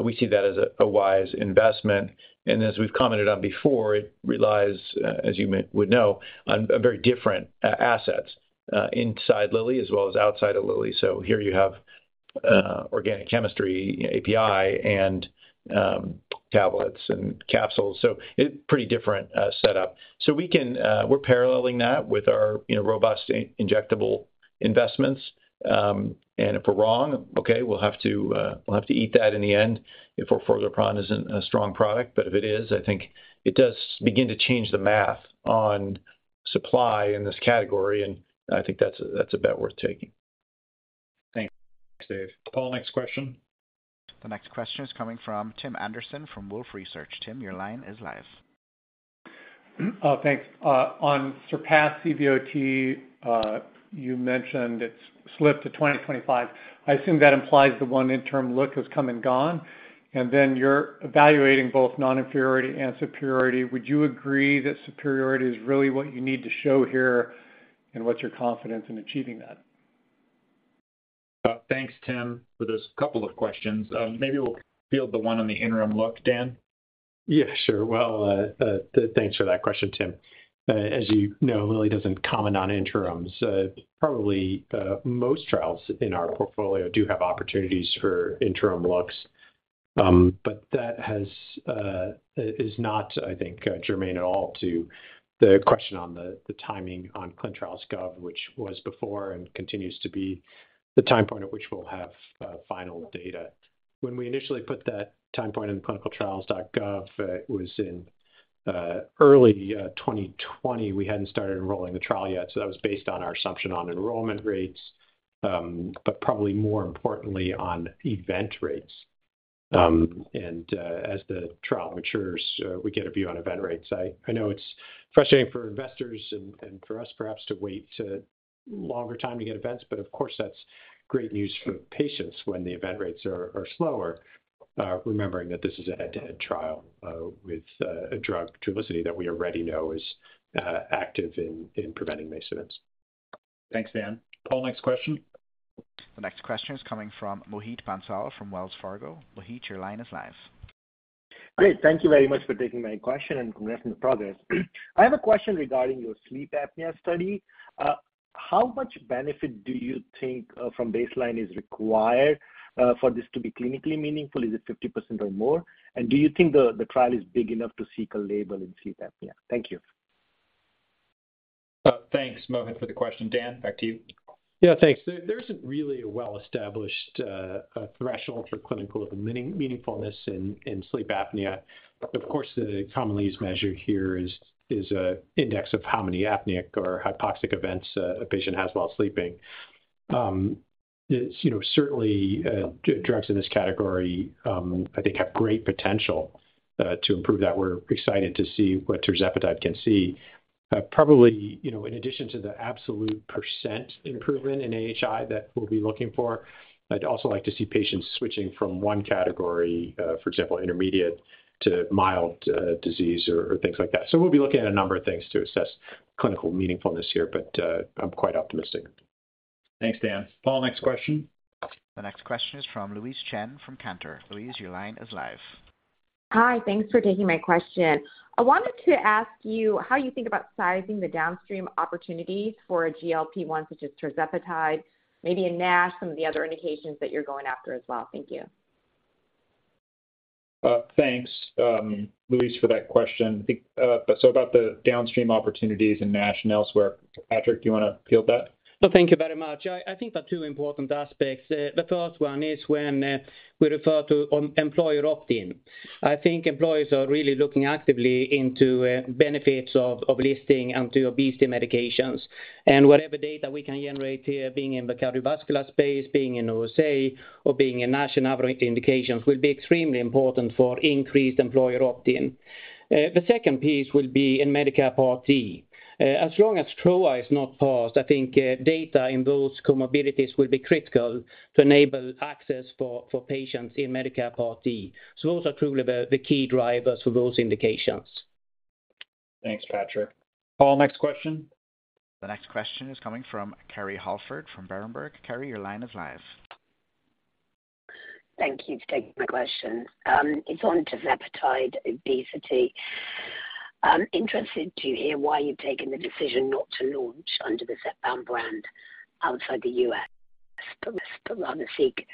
we see that as a wise investment. And as we've commented on before, it relies, as you may... would know, on very different assets inside Lilly as well as outside of Lilly. So here you have organic chemistry, API and tablets and capsules, so it's pretty different setup. So we're paralleling that with our, you know, robust injectable investments. And if we're wrong, okay, we'll have to eat that in the end if orforglipron isn't a strong product. But if it is, I think it does begin to change the math on supply in this category, and I think that's a bet worth taking. Thanks, Dave. Paul, next question. The next question is coming from Tim Anderson from Wolfe Research. Tim, your line is live. Thanks. On SURPASS CVOT, you mentioned it's slipped to 2025. I assume that implies the one interim look has come and gone, and then you're evaluating both non-inferiority and superiority. Would you agree that superiority is really what you need to show here, and what's your confidence in achieving that? Thanks, Tim, for those couple of questions. Maybe we'll field the one on the interim look. Dan? Yeah, sure. Well, thanks for that question, Tim. As you know, Lilly doesn't comment on interims. Probably, most trials in our portfolio do have opportunities for interim looks. But that has, is, is not, I think, germane at all to the question on the, the timing on ClinicalTrials.gov, which was before and continues to be the time point at which we'll have, final data. When we initially put that time point in ClinicalTrials.gov, it was in, early, 2020. We hadn't started enrolling the trial yet, so that was based on our assumption on enrollment rates, but probably more importantly, on event rates. And, as the trial matures, we get a view on event rates. I know it's frustrating for investors and for us perhaps, to wait a longer time to get events, but of course, that's great news for patients when the event rates are slower.... remembering that this is a head-to-head trial with a drug, Trulicity, that we already know is active in preventing MACE events. Thanks, Dan. Paul, next question. The next question is coming from Mohit Bansal from Wells Fargo. Mohit, your line is live. Great. Thank you very much for taking my question, and congrats on the progress. I have a question regarding your sleep apnea study. How much benefit do you think, from baseline is required, for this to be clinically meaningful? Is it 50% or more? And do you think the trial is big enough to seek a label in sleep apnea? Thank you. Thanks, Mohit, for the question. Dan, back to you. Yeah, thanks. There isn't really a well-established threshold for clinical meaningfulness in sleep apnea. Of course, the commonly used measure here is an index of how many apneic or hypoxic events a patient has while sleeping. It's, you know, certainly drugs in this category. I think have great potential to improve that. We're excited to see what tirzepatide can see. Probably, you know, in addition to the absolute percent improvement in AHI that we'll be looking for, I'd also like to see patients switching from one category, for example, intermediate to mild disease or things like that. So we'll be looking at a number of things to assess clinical meaningfulness here, but I'm quite optimistic. Thanks, Dan. Paul, next question. The next question is from Louise Chen from Cantor. Louise, your line is live. Hi, thanks for taking my question. I wanted to ask you how you think about sizing the downstream opportunity for a GLP-1, such as tirzepatide, maybe in NASH, some of the other indications that you're going after as well. Thank you. Thanks, Louise, for that question. I think, so about the downstream opportunities in NASH and elsewhere. Patrik, do you want to field that? Well, thank you very much. I think there are two important aspects. The first one is when we refer to employer opt-in. I think employers are really looking actively into benefits of listing onto obesity medications. And whatever data we can generate here, being in the cardiovascular space, being in OSA, or being in NASH and other indications, will be extremely important for increased employer opt-in. The second piece will be in Medicare Part D. As long as TROA is not passed, I think data in those comorbidities will be critical to enable access for patients in Medicare Part D. So those are truly the key drivers for those indications. Thanks, Patrik. Paul, next question. The next question is coming from Kerry Holford from Berenberg. Kerry, your line is live. Thank you for taking my question. It's on tirzepatide obesity. I'm interested to hear why you've taken the decision not to launch under the Zepbound brand outside the U.S., but rather seek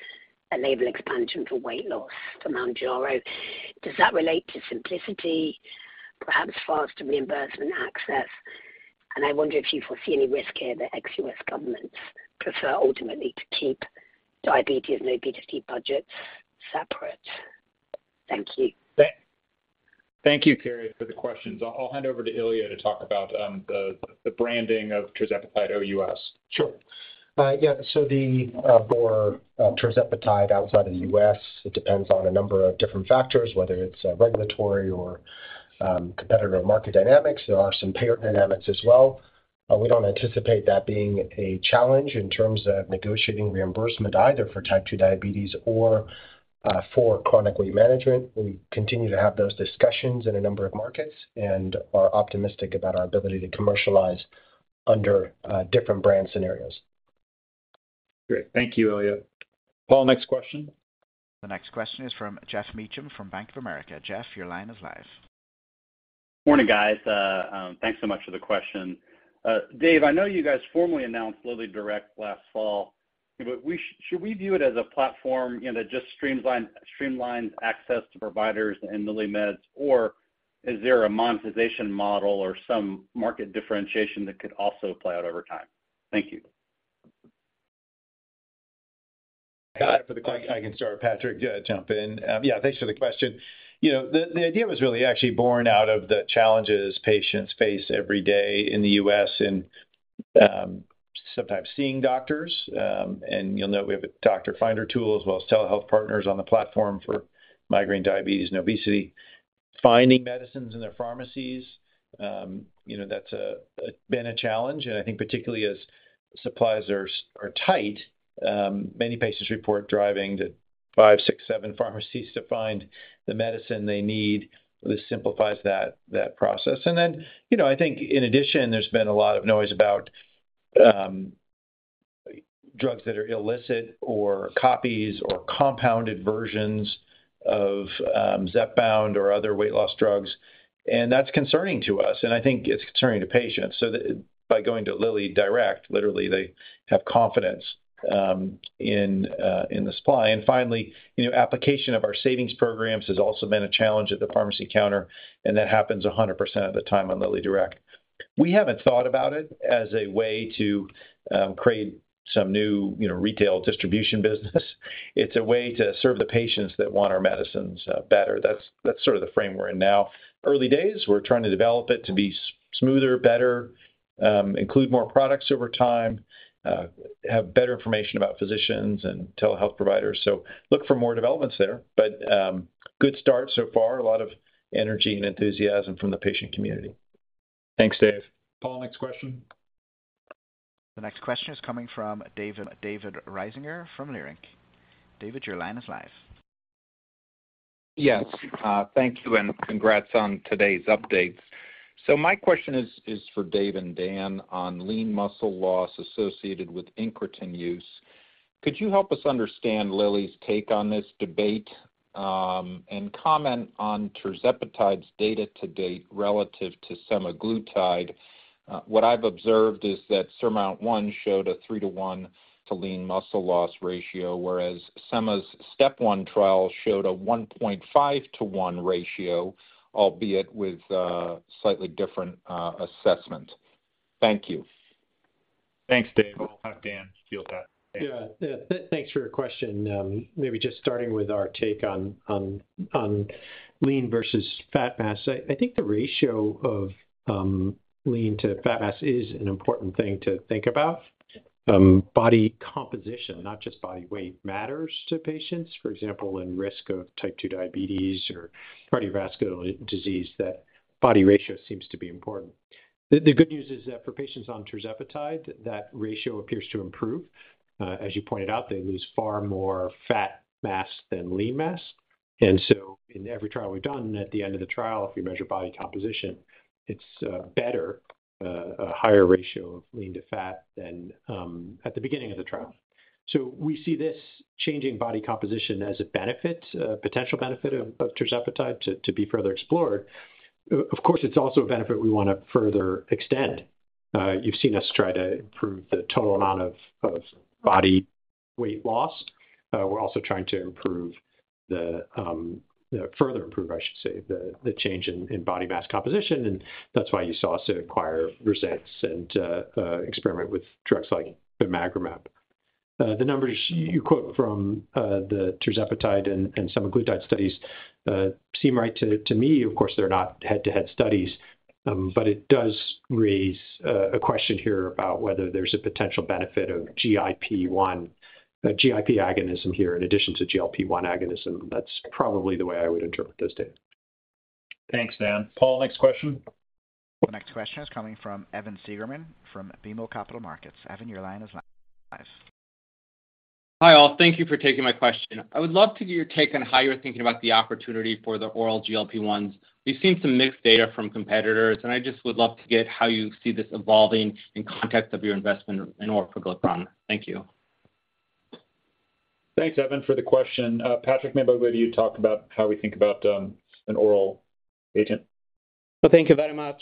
a label expansion for weight loss for Mounjaro. Does that relate to simplicity, perhaps faster reimbursement access? I wonder if you foresee any risk here that ex-U.S. governments prefer ultimately to keep diabetes and obesity budgets separate. Thank you. Thank you, Kerry, for the questions. I'll hand over to Ilya to talk about the branding of tirzepatide OUS. Sure. Yeah, so for tirzepatide outside the U.S., it depends on a number of different factors, whether it's regulatory or competitive market dynamics. There are some payer dynamics as well. We don't anticipate that being a challenge in terms of negotiating reimbursement, either for type 2 diabetes or for chronic weight management. We continue to have those discussions in a number of markets and are optimistic about our ability to commercialize under different brand scenarios. Great. Thank you, Ilya. Paul, next question. The next question is from Geoff Meacham from Bank of America. Geoff, your line is live. Morning, guys. Thanks so much for the question. Dave, I know you guys formally announced Lilly Direct last fall, but should we view it as a platform, you know, that just streamlines access to providers and Lilly meds, or is there a monetization model or some market differentiation that could also play out over time? Thank you. Got it. I can start, Patrik, jump in. Yeah, thanks for the question. You know, the idea was really actually born out of the challenges patients face every day in the US in sometimes seeing doctors, and you'll know we have a doctor finder tool, as well as telehealth partners on the platform for migraine, diabetes, and obesity. Finding medicines in their pharmacies, you know, that's been a challenge, and I think particularly as supplies are tight, many patients report driving to 5, 6, 7 pharmacies to find the medicine they need. This simplifies that process. And then, you know, I think in addition, there's been a lot of noise about drugs that are illicit or copies or compounded versions of Zepbound or other weight loss drugs, and that's concerning to us, and I think it's concerning to patients. By going to Lilly Direct, literally, they have confidence in the supply. And finally, you know, application of our savings programs has also been a challenge at the pharmacy counter, and that happens 100% of the time on Lilly Direct. We haven't thought about it as a way to create some new, you know, retail distribution business. It's a way to serve the patients that want our medicines better. That's, that's sort of the frame we're in now. Early days, we're trying to develop it to be smoother, better, include more products over time, have better information about physicians and telehealth providers. So look for more developments there, but good start so far. A lot of energy and enthusiasm from the patient community. Thanks, Dave. Paul, next question.... The next question is coming from David, David Risinger from Leerink. David, your line is live. Yes. Thank you and congrats on today's updates. So my question is for Dave and Dan on lean muscle loss associated with incretin use. Could you help us understand Lilly's take on this debate, and comment on tirzepatide's data to date relative to semaglutide? What I've observed is that SURMOUNT-1 showed a 3-to-1 lean muscle loss ratio, whereas SEMA's step one trial showed a 1.5-to-1 ratio, albeit with slightly different assessment. Thank you. Thanks, David. I'll have Dan field that. Yeah. Yeah, thanks for your question. Maybe just starting with our take on lean versus fat mass. I think the ratio of lean to fat mass is an important thing to think about. Body composition, not just body weight, matters to patients. For example, in risk of type 2 diabetes or cardiovascular disease, that body ratio seems to be important. The good news is that for patients on tirzepatide, that ratio appears to improve. As you pointed out, they lose far more fat mass than lean mass. And so in every trial we've done, at the end of the trial, if you measure body composition, it's better, a higher ratio of lean to fat than at the beginning of the trial. So we see this changing body composition as a benefit, a potential benefit of tirzepatide to be further explored. Of course, it's also a benefit we wanna further extend. You've seen us try to improve the total amount of body weight lost. We're also trying to improve, further improve, I should say, the change in body mass composition, and that's why you saw us acquire Versanis and experiment with drugs like bemagromab. The numbers you quote from the tirzepatide and semaglutide studies seem right to me. Of course, they're not head-to-head studies, but it does raise a question here about whether there's a potential benefit of GIP one, GIP agonism here, in addition to GLP-1 agonism. That's probably the way I would interpret this data. Thanks, Dan. Paul, next question? The next question is coming from Evan Segerman from BMO Capital Markets. Evan, your line is live. Hi, all. Thank you for taking my question. I would love to get your take on how you're thinking about the opportunity for the oral GLP-1s. We've seen some mixed data from competitors, and I just would love to get how you see this evolving in context of your investment in orforglipron. Thank you. Thanks, Evan, for the question. Patrik, maybe you talk about how we think about an oral agent. Thank you very much.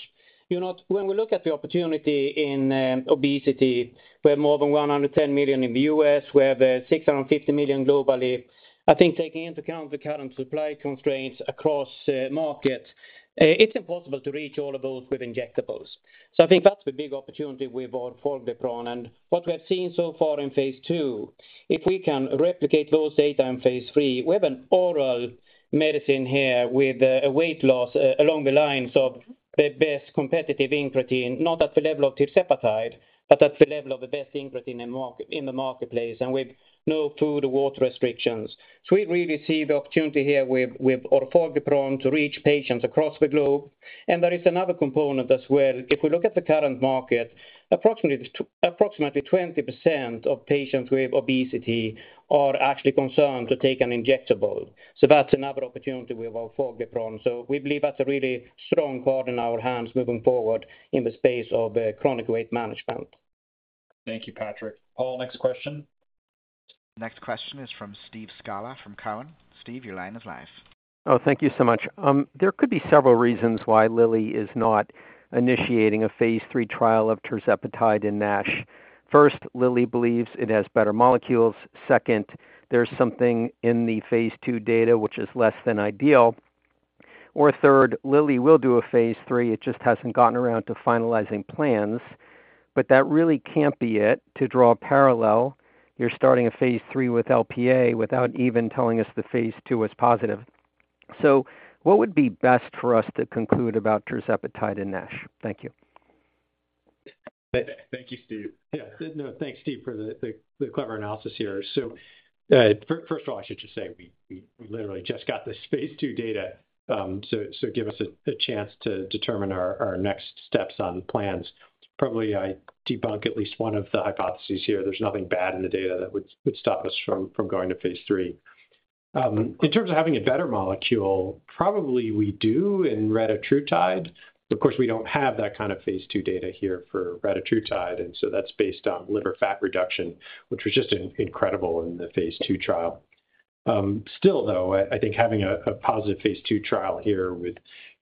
You know, when we look at the opportunity in obesity, we have more than 110 million in the U.S., we have 650 million globally. I think taking into account the current supply constraints across markets, it's impossible to reach all of those with injectables. So I think that's the big opportunity with orforglipron. And what we have seen so far in phase II, if we can replicate those data in phase III, we have an oral medicine here with a weight loss along the lines of the best competitive incretin, not at the level of tirzepatide, but at the level of the best incretin in market, in the marketplace, and with no food or water restrictions. So we really see the opportunity here with orforglipron to reach patients across the globe. There is another component as well. If we look at the current market, approximately 20% of patients who have obesity are actually concerned to take an injectable. So that's another opportunity with oral orforglipron. So we believe that's a really strong card in our hands moving forward in the space of chronic weight management. Thank you, Patrik. Paul, next question? Next question is from Steve Scala from Cowen. Steve, your line is live. Oh, thank you so much. There could be several reasons why Lilly is not initiating a phase III trial of tirzepatide in NASH. First, Lilly believes it has better molecules. Second, there's something in the phase II data which is less than ideal, or third, Lilly will do a phase III, it just hasn't gotten around to finalizing plans, but that really can't be it. To draw a parallel, you're starting a phase III with Lp(a) without even telling us the phase II is positive. So what would be best for us to conclude about tirzepatide in NASH? Thank you. Thank you, Steve. Yeah. No, thanks, Steve, for the clever analysis here. So, first of all, I should just say we literally just got this phase II data, so give us a chance to determine our next steps on plans. Probably, I debunk at least one of the hypotheses here. There's nothing bad in the data that would stop us from going to phase III. In terms of having a better molecule, probably we do in retatrutide. Of course, we don't have that kind of phase II data here for retatrutide, and so that's based on liver fat reduction, which was just incredible in the phase II trial. Still, though, I think having a positive phase II trial here with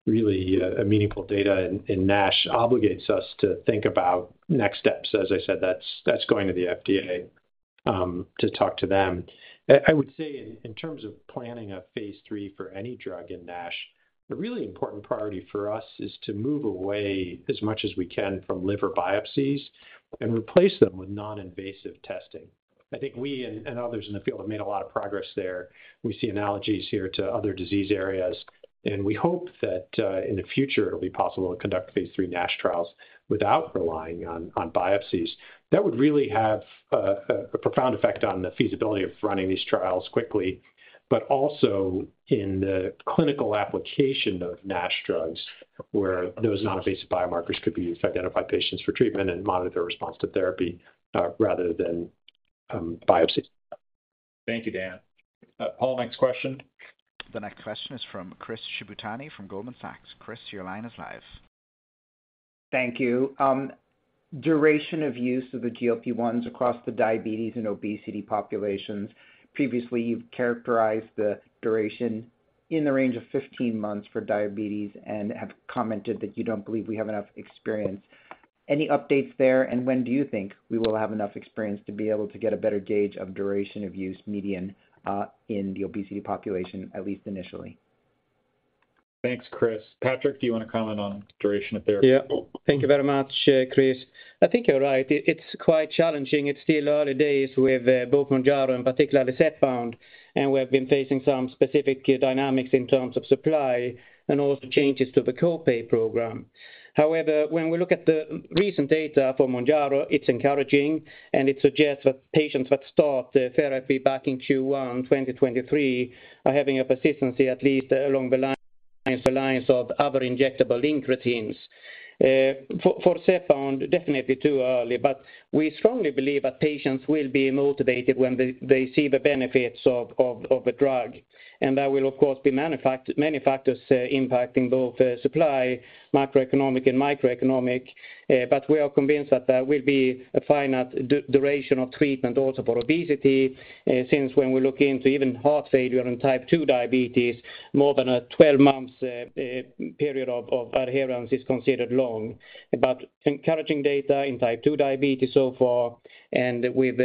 really a meaningful data in NASH obligates us to think about next steps. As I said, that's going to the FDA to talk to them. I would say in terms of planning a phase III for any drug in NASH, the really important priority for us is to move away as much as we can from liver biopsies and replace them with non-invasive testing. I think we and others in the field have made a lot of progress there. We see analogies here to other disease areas, and we hope that in the future, it'll be possible to conduct phase III NASH trials without relying on biopsies. That would really have a profound effect on the feasibility of running these trials quickly, but also in the clinical application of NASH drugs, where those non-invasive biomarkers could be used to identify patients for treatment and monitor their response to therapy, rather than biopsies.... Thank you, Dan. Paul, next question. The next question is from Chris Shibutani from Goldman Sachs. Chris, your line is live. Thank you. Duration of use of the GLP-1s across the diabetes and obesity populations. Previously, you've characterized the duration in the range of 15 months for diabetes and have commented that you don't believe we have enough experience. Any updates there, and when do you think we will have enough experience to be able to get a better gauge of duration of use median, in the obesity population, at least initially? Thanks, Chris. Patrik, do you want to comment on duration of therapy? Yeah. Thank you very much, Chris. I think you're right. It's quite challenging. It's still early days with both Mounjaro and particularly Zepbound, and we have been facing some specific dynamics in terms of supply and also changes to the co-pay program. However, when we look at the recent data for Mounjaro, it's encouraging, and it suggests that patients that start therapy back in Q1 2023 are having a persistency at least along the lines of other injectable incretins. For Zepbound, definitely too early, but we strongly believe that patients will be motivated when they see the benefits of the drug. And there will, of course, be many factors impacting both supply, macroeconomic and microeconomic. But we are convinced that there will be a finite duration of treatment also for obesity, since when we look into even heart failure and type 2 diabetes, more than a 12-month period of adherence is considered long. But encouraging data in type 2 diabetes so far, and with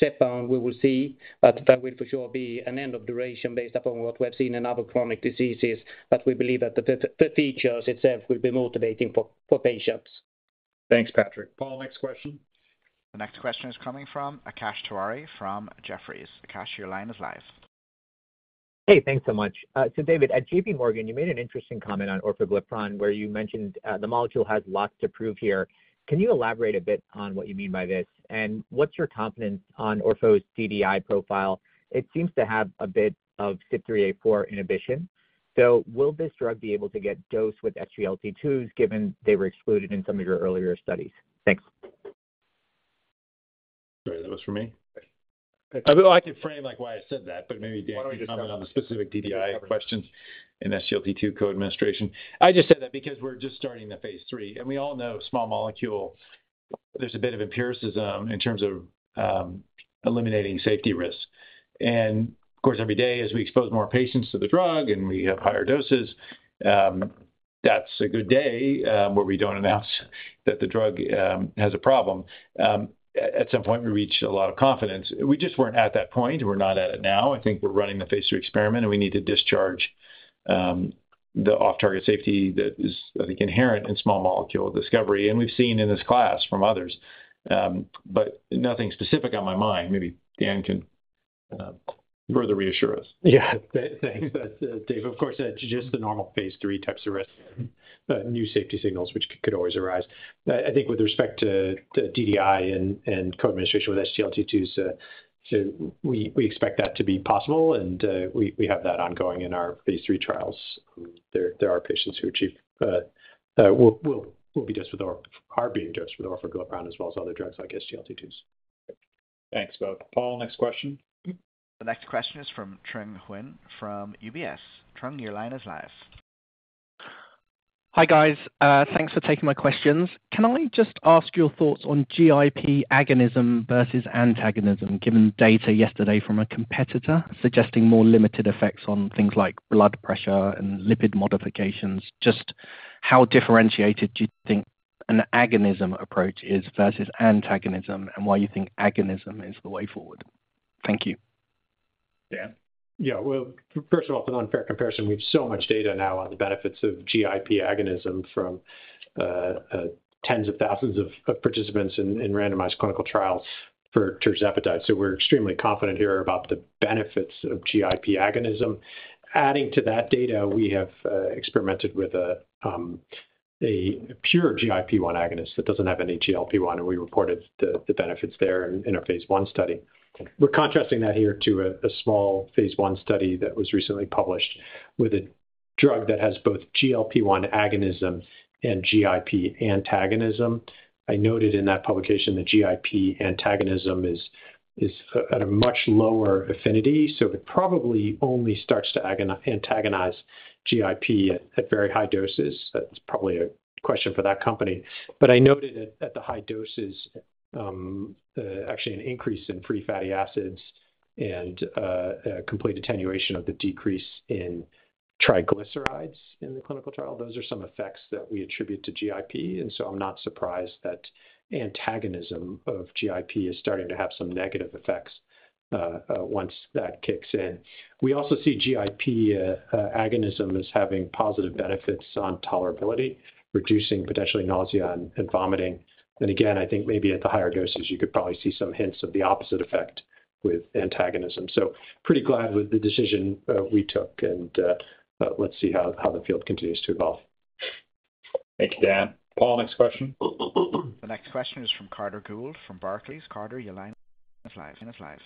Zepbound, we will see. But that will for sure be an end of duration based upon what we've seen in other chronic diseases, but we believe that the features itself will be motivating for patients. Thanks, Patrick. Paul, next question. The next question is coming from Akash Tewari from Jefferies. Akash, your line is live. Hey, thanks so much. So David, at J.P. Morgan, you made an interesting comment on orforglipron, where you mentioned, the molecule has lots to prove here. Can you elaborate a bit on what you mean by this, and what's your confidence on Orfo's DDI profile? It seems to have a bit of CYP3A4 inhibition. So will this drug be able to get dosed with SGLT2s, given they were excluded in some of your earlier studies? Thanks. Sorry, that was for me? Well, I could frame, like, why I said that, but maybe Dan, comment on the specific DDI questions and SGLT2 co-administration. I just said that because we're just starting the phase III, and we all know small molecule, there's a bit of empiricism in terms of, eliminating safety risks. And of course, every day, as we expose more patients to the drug and we have higher doses, that's a good day, where we don't announce that the drug, has a problem. At some point, we reach a lot of confidence. We just weren't at that point. We're not at it now. I think we're running the phase III experiment, and we need to discharge, the off-target safety that is, I think, inherent in small molecule discovery, and we've seen in this class from others. Nothing specific on my mind. Maybe Dan can further reassure us. Yeah. Thanks, Dave. Of course, that's just the normal phase III types of risk, new safety signals, which could always arise. I think with respect to the DDI and co-administration with SGLT2s, so we expect that to be possible, and we have that ongoing in our phase III trials. There are patients who achieve, will be dosed with orforglipron as well as other drugs, like SGLT2s. Thanks, both. Paul, next question. The next question is from Trung Nguyen from UBS. Trung, your line is live. Hi, guys. Thanks for taking my questions. Can I just ask your thoughts on GIP agonism versus antagonism, given data yesterday from a competitor suggesting more limited effects on things like blood pressure and lipid modifications? Just how differentiated do you think an agonism approach is versus antagonism, and why you think agonism is the way forward? Thank you. Dan? Yeah. Well, first of all, for an unfair comparison, we have so much data now on the benefits of GIP agonism from tens of thousands of participants in randomized clinical trials for tirzepatide. So we're extremely confident here about the benefits of GIP agonism. Adding to that data, we have experimented with a pure GIP agonist that doesn't have any GLP-1, and we reported the benefits there in our phase 1 study. We're contrasting that here to a small phase 1 study that was recently published with a drug that has both GLP-1 agonism and GIP antagonism. I noted in that publication that GIP antagonism is at a much lower affinity, so it probably only starts to antagonize GIP at very high doses. That's probably a question for that company. But I noted at the high doses, actually an increase in free fatty acids and a complete attenuation of the decrease in triglycerides in the clinical trial. Those are some effects that we attribute to GIP, and so I'm not surprised that antagonism of GIP is starting to have some negative effects once that kicks in. We also see GIP agonism as having positive benefits on tolerability, reducing potentially nausea and vomiting. And again, I think maybe at the higher doses, you could probably see some hints of the opposite effect with antagonism. So pretty glad with the decision we took, and let's see how the field continues to evolve. Thank you, Dan. Paul, next question. The next question is from Carter Gould from Barclays. Carter, your line is live.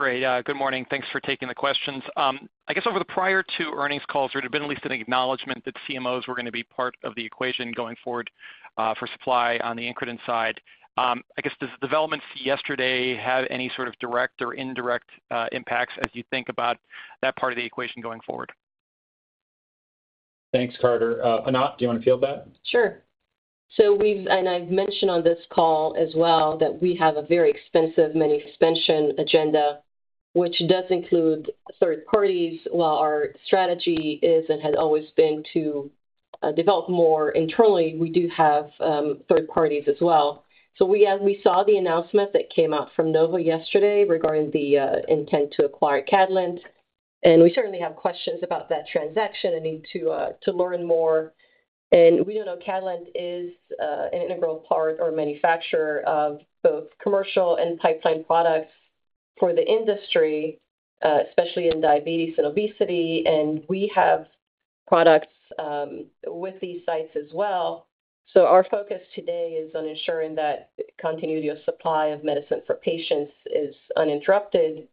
Great. Good morning. Thanks for taking the questions. I guess over the prior two earnings calls, there had been at least an acknowledgment that CMOs were going to be part of the equation going forward, for supply on the incretin side. I guess, does the developments yesterday have any sort of direct or indirect, impacts as you think about that part of the equation going forward?... Thanks, Carter. Anat, do you want to field that? Sure. So we've, and I've mentioned on this call as well, that we have a very expensive manufacturing expansion agenda, which does include third parties. While our strategy is, and has always been to develop more internally, we do have third parties as well. So we, as we saw the announcement that came out from Novo yesterday regarding the intent to acquire Catalent, and we certainly have questions about that transaction and need to learn more. And we know Catalent is an integral part or manufacturer of both commercial and pipeline products for the industry, especially in diabetes and obesity. And we have products with these sites as well. So our focus today is on ensuring that continuity of supply of medicine for patients is uninterrupted,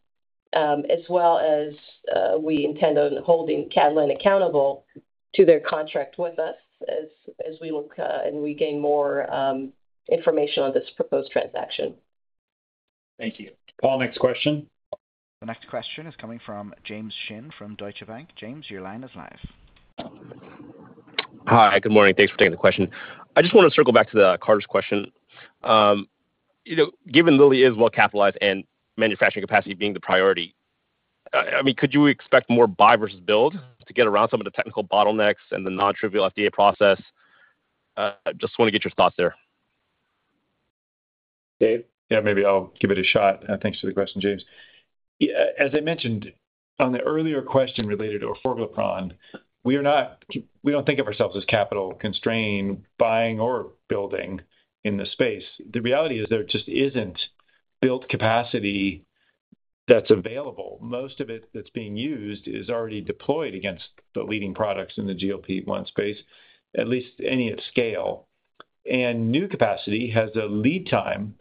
as well as we intend on holding Catalent accountable to their contract with us as we look and we gain more information on this proposed transaction. Thank you. Paul, next question. The next question is coming from James Shin from Deutsche Bank. James, your line is live. Hi, good morning. Thanks for taking the question. I just want to circle back to Carter's question. You know, given Lilly is well capitalized and manufacturing capacity being the priority, I mean, could you expect more buy versus build to get around some of the technical bottlenecks and the nontrivial FDA process? Just want to get your thoughts there. Dave? Yeah, maybe I'll give it a shot. Thanks for the question, James. As I mentioned on the earlier question related to orforglipron, we are not—we don't think of ourselves as capital-constrained buying or building in this space. The reality is there just isn't built capacity that's available. Most of it that's being used is already deployed against the leading products in the GLP-1 space, at least any at scale. And new capacity has a lead time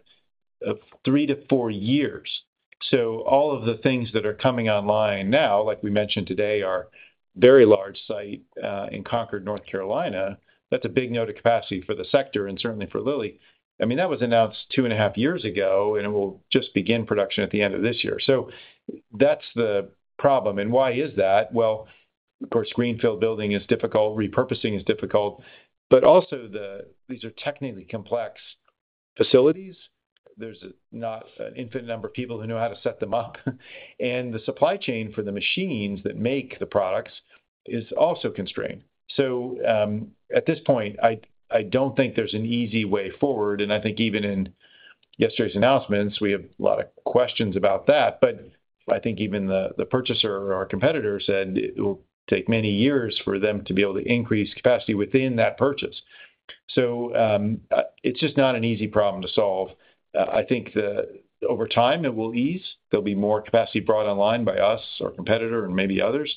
of three to four years. So all of the things that are coming online now, like we mentioned today, are very large site in Concord, North Carolina. That's a big node of capacity for the sector and certainly for Lilly. I mean, that was announced two and a half years ago, and it will just begin production at the end of this year. So that's the problem. And why is that? Well, of course, greenfield building is difficult, repurposing is difficult, but also these are technically complex facilities. There's not an infinite number of people who know how to set them up. And the supply chain for the machines that make the products is also constrained. So, at this point, I don't think there's an easy way forward, and I think even in yesterday's announcements, we have a lot of questions about that. But I think even the purchaser or our competitor said it will take many years for them to be able to increase capacity within that purchase. So, it's just not an easy problem to solve. I think that over time it will ease. There'll be more capacity brought online by us or competitor and maybe others,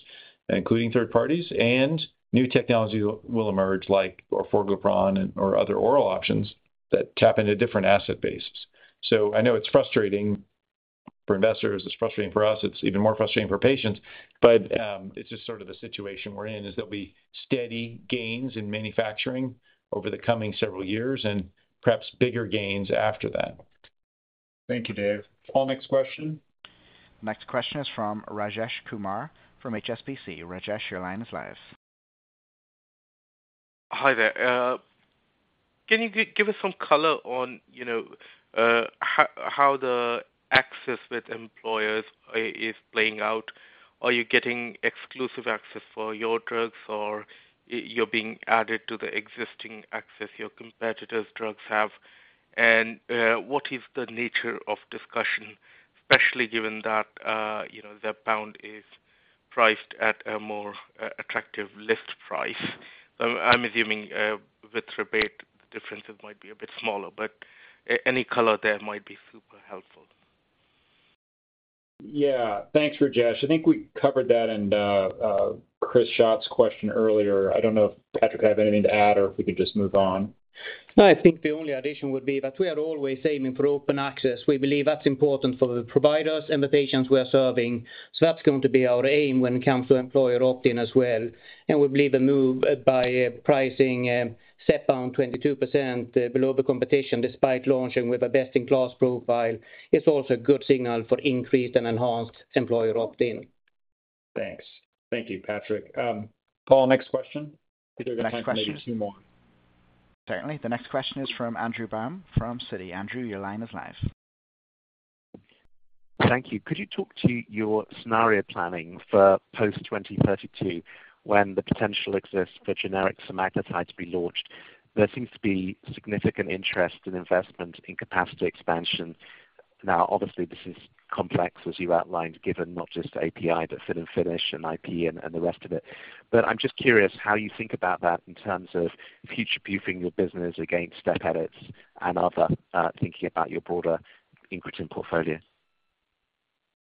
including third parties, and new technology will emerge like orforglipron and/or other oral options that tap into different asset bases. So I know it's frustrating for investors, it's frustrating for us, it's even more frustrating for patients, but it's just sort of the situation we're in, is there'll be steady gains in manufacturing over the coming several years and perhaps bigger gains after that. Thank you, Dave. Paul, next question. Next question is from Rajesh Kumar from HSBC. Rajesh, your line is live. Hi there. Can you give us some color on, you know, how the access with employers is playing out? Are you getting exclusive access for your drugs, or you're being added to the existing access your competitors' drugs have? What is the nature of discussion, especially given that, you know, Zepbound is priced at a more attractive list price? I'm assuming, with rebate, the differences might be a bit smaller, but any color there might be super helpful. Yeah. Thanks, Rajesh. I think we covered that in Chris Schott's question earlier. I don't know if, Patrik, have anything to add or if we could just move on? No, I think the only addition would be that we are always aiming for open access. We believe that's important for the providers and the patients we are serving. So that's going to be our aim when it comes to employer opt-in as well. And we believe a move by pricing, set down 22% below the competition, despite launching with a best-in-class profile, is also a good signal for increased and enhanced employer opt-in. Thanks. Thank you, Patrik. Paul, next question. Next question. Maybe two more. Certainly. The next question is from Andrew Baum from Citi. Andrew, your line is live. Thank you. Could you talk to your scenario planning for post-2032, when the potential exists for generic semaglutide to be launched? There seems to be significant interest and investment in capacity expansion. Now, obviously, this is complex, as you outlined, given not just API, but fit and finish and IP and, and the rest of it. But I'm just curious how you think about that in terms of future-proofing your business against step edits and other thinking about your broader incretin portfolio.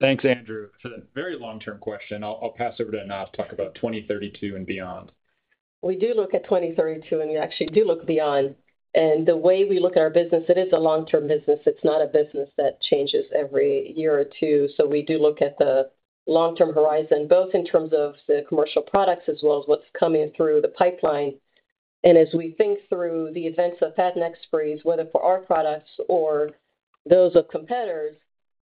Thanks, Andrew, for the very long-term question. I'll pass over to Anat to talk about 2032 and beyond. We do look at 2032, and we actually do look beyond. The way we look at our business, it is a long-term business. It's not a business that changes every year or two. So we do look at the long-term horizon, both in terms of the commercial products as well as what's coming through the pipeline... and as we think through the events of patent expiries, whether for our products or those of competitors,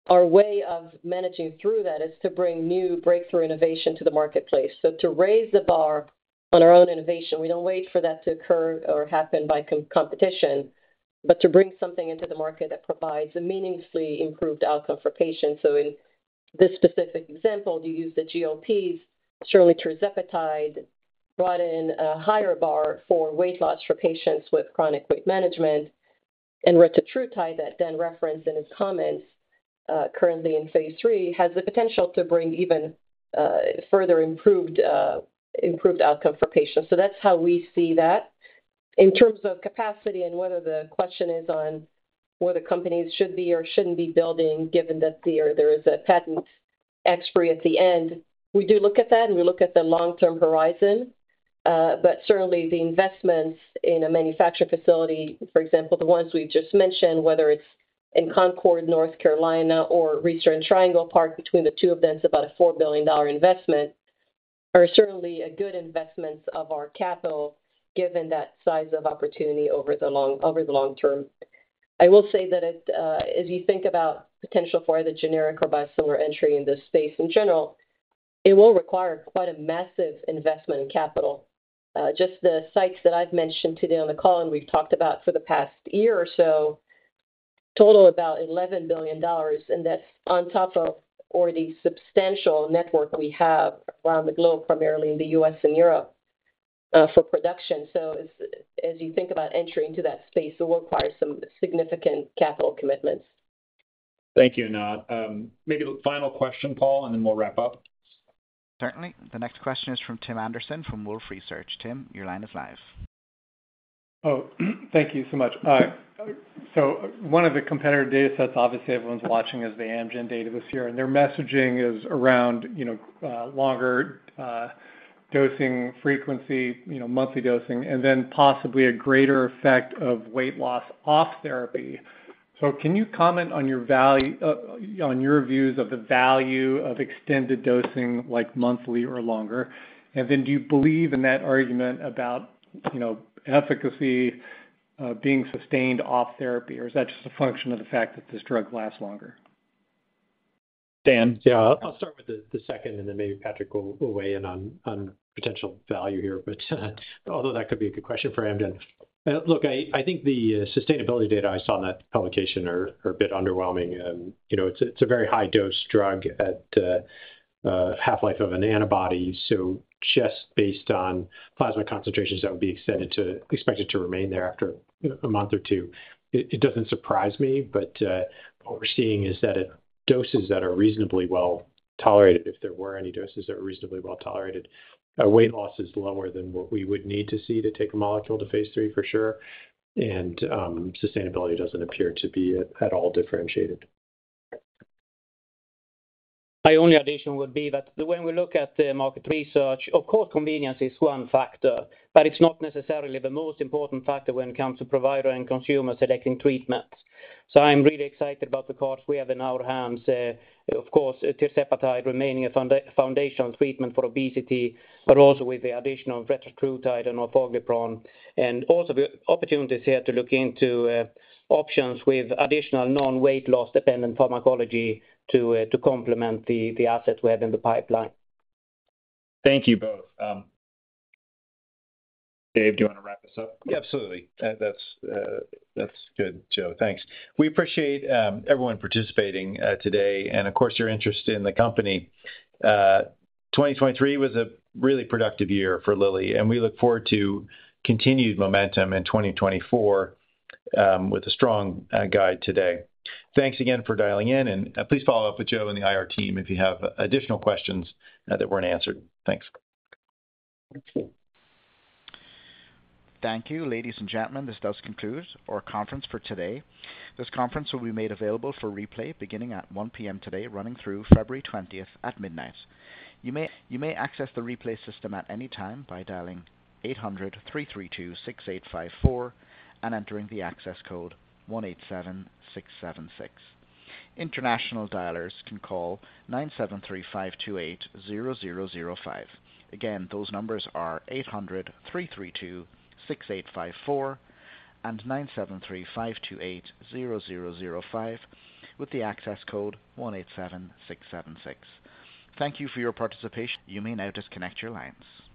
our way of managing through that is to bring new breakthrough innovation to the marketplace. To raise the bar on our own innovation, we don't wait for that to occur or happen by competition, but to bring something into the market that provides a meaningfully improved outcome for patients. So in this specific example, you use the GLPs. Surely tirzepatide brought in a higher bar for weight loss for patients with chronic weight management, and retatrutide that Dan referenced in his comments, currently in phase 3, has the potential to bring even further improved, improved outcome for patients. So that's how we see that. In terms of capacity and whether the question is on whether companies should be or shouldn't be building, given that there is a patent expiry at the end, we do look at that, and we look at the long-term horizon. But certainly the investments in a manufacturing facility, for example, the ones we've just mentioned, whether it's in Concord, North Carolina, or Research Triangle Park, between the two of them, it's about a $4 billion investment, are certainly a good investments of our capital, given that size of opportunity over the long, over the long term. I will say that it, as you think about potential for either generic or biosimilar entry in this space, in general, it will require quite a massive investment in capital. Just the sites that I've mentioned today on the call and we've talked about for the past year or so, total about $11 billion, and that's on top of or the substantial network we have around the globe, primarily in the U.S. and Europe, for production. So as you think about entering into that space, it will require some significant capital commitments. Thank you, Anat. Maybe the final question, Paul, and then we'll wrap up. Certainly. The next question is from Tim Anderson, from Wolfe Research. Tim, your line is live. Oh, thank you so much. So one of the competitor datasets, obviously, everyone's watching, is the Amgen data this year, and their messaging is around, you know, longer dosing frequency, you know, monthly dosing, and then possibly a greater effect of weight loss off therapy. So can you comment on your value, on your views of the value of extended dosing, like monthly or longer? And then do you believe in that argument about, you know, efficacy being sustained off therapy, or is that just a function of the fact that this drug lasts longer? Dan? Yeah, I'll start with the second, and then maybe Patrick will weigh in on potential value here. But although that could be a good question for Amgen. Look, I think the sustainability data I saw in that publication are a bit underwhelming. You know, it's a very high-dose drug at a half-life of an antibody, so just based on plasma concentrations, that would be extended to... expected to remain there after a month or two. It doesn't surprise me, but what we're seeing is that at doses that are reasonably well tolerated, if there were any doses that are reasonably well tolerated, weight loss is lower than what we would need to see to take a molecule to phase three, for sure, and sustainability doesn't appear to be at all differentiated. My only addition would be that when we look at the market research, of course, convenience is one factor, but it's not necessarily the most important factor when it comes to provider and consumer selecting treatments. So I'm really excited about the cards we have in our hands. Of course, tirzepatide remaining a foundational treatment for obesity, but also with the additional retatrutide and orforglipron, and also the opportunities here to look into options with additional non-weight loss-dependent pharmacology to complement the assets we have in the pipeline. Thank you both. Dave, do you want to wrap this up? Absolutely. That's good, Joe. Thanks. We appreciate everyone participating today, and of course, your interest in the company. 2023 was a really productive year for Lilly, and we look forward to continued momentum in 2024, with a strong guide today. Thanks again for dialing in, and please follow up with Joe and the IR team if you have additional questions that weren't answered. Thanks. Thank you, ladies and gentlemen. This does conclude our conference for today. This conference will be made available for replay beginning at 1:00 P.M. today, running through February 20 at midnight. You may, you may access the replay system at any time by dialing 800-332-6854 and entering the access code 187676. International dialers can call 973-528-0005. Again, those numbers are 800-332-6854 and 973-528-0005, with the access code 187676. Thank you for your participation. You may now disconnect your lines.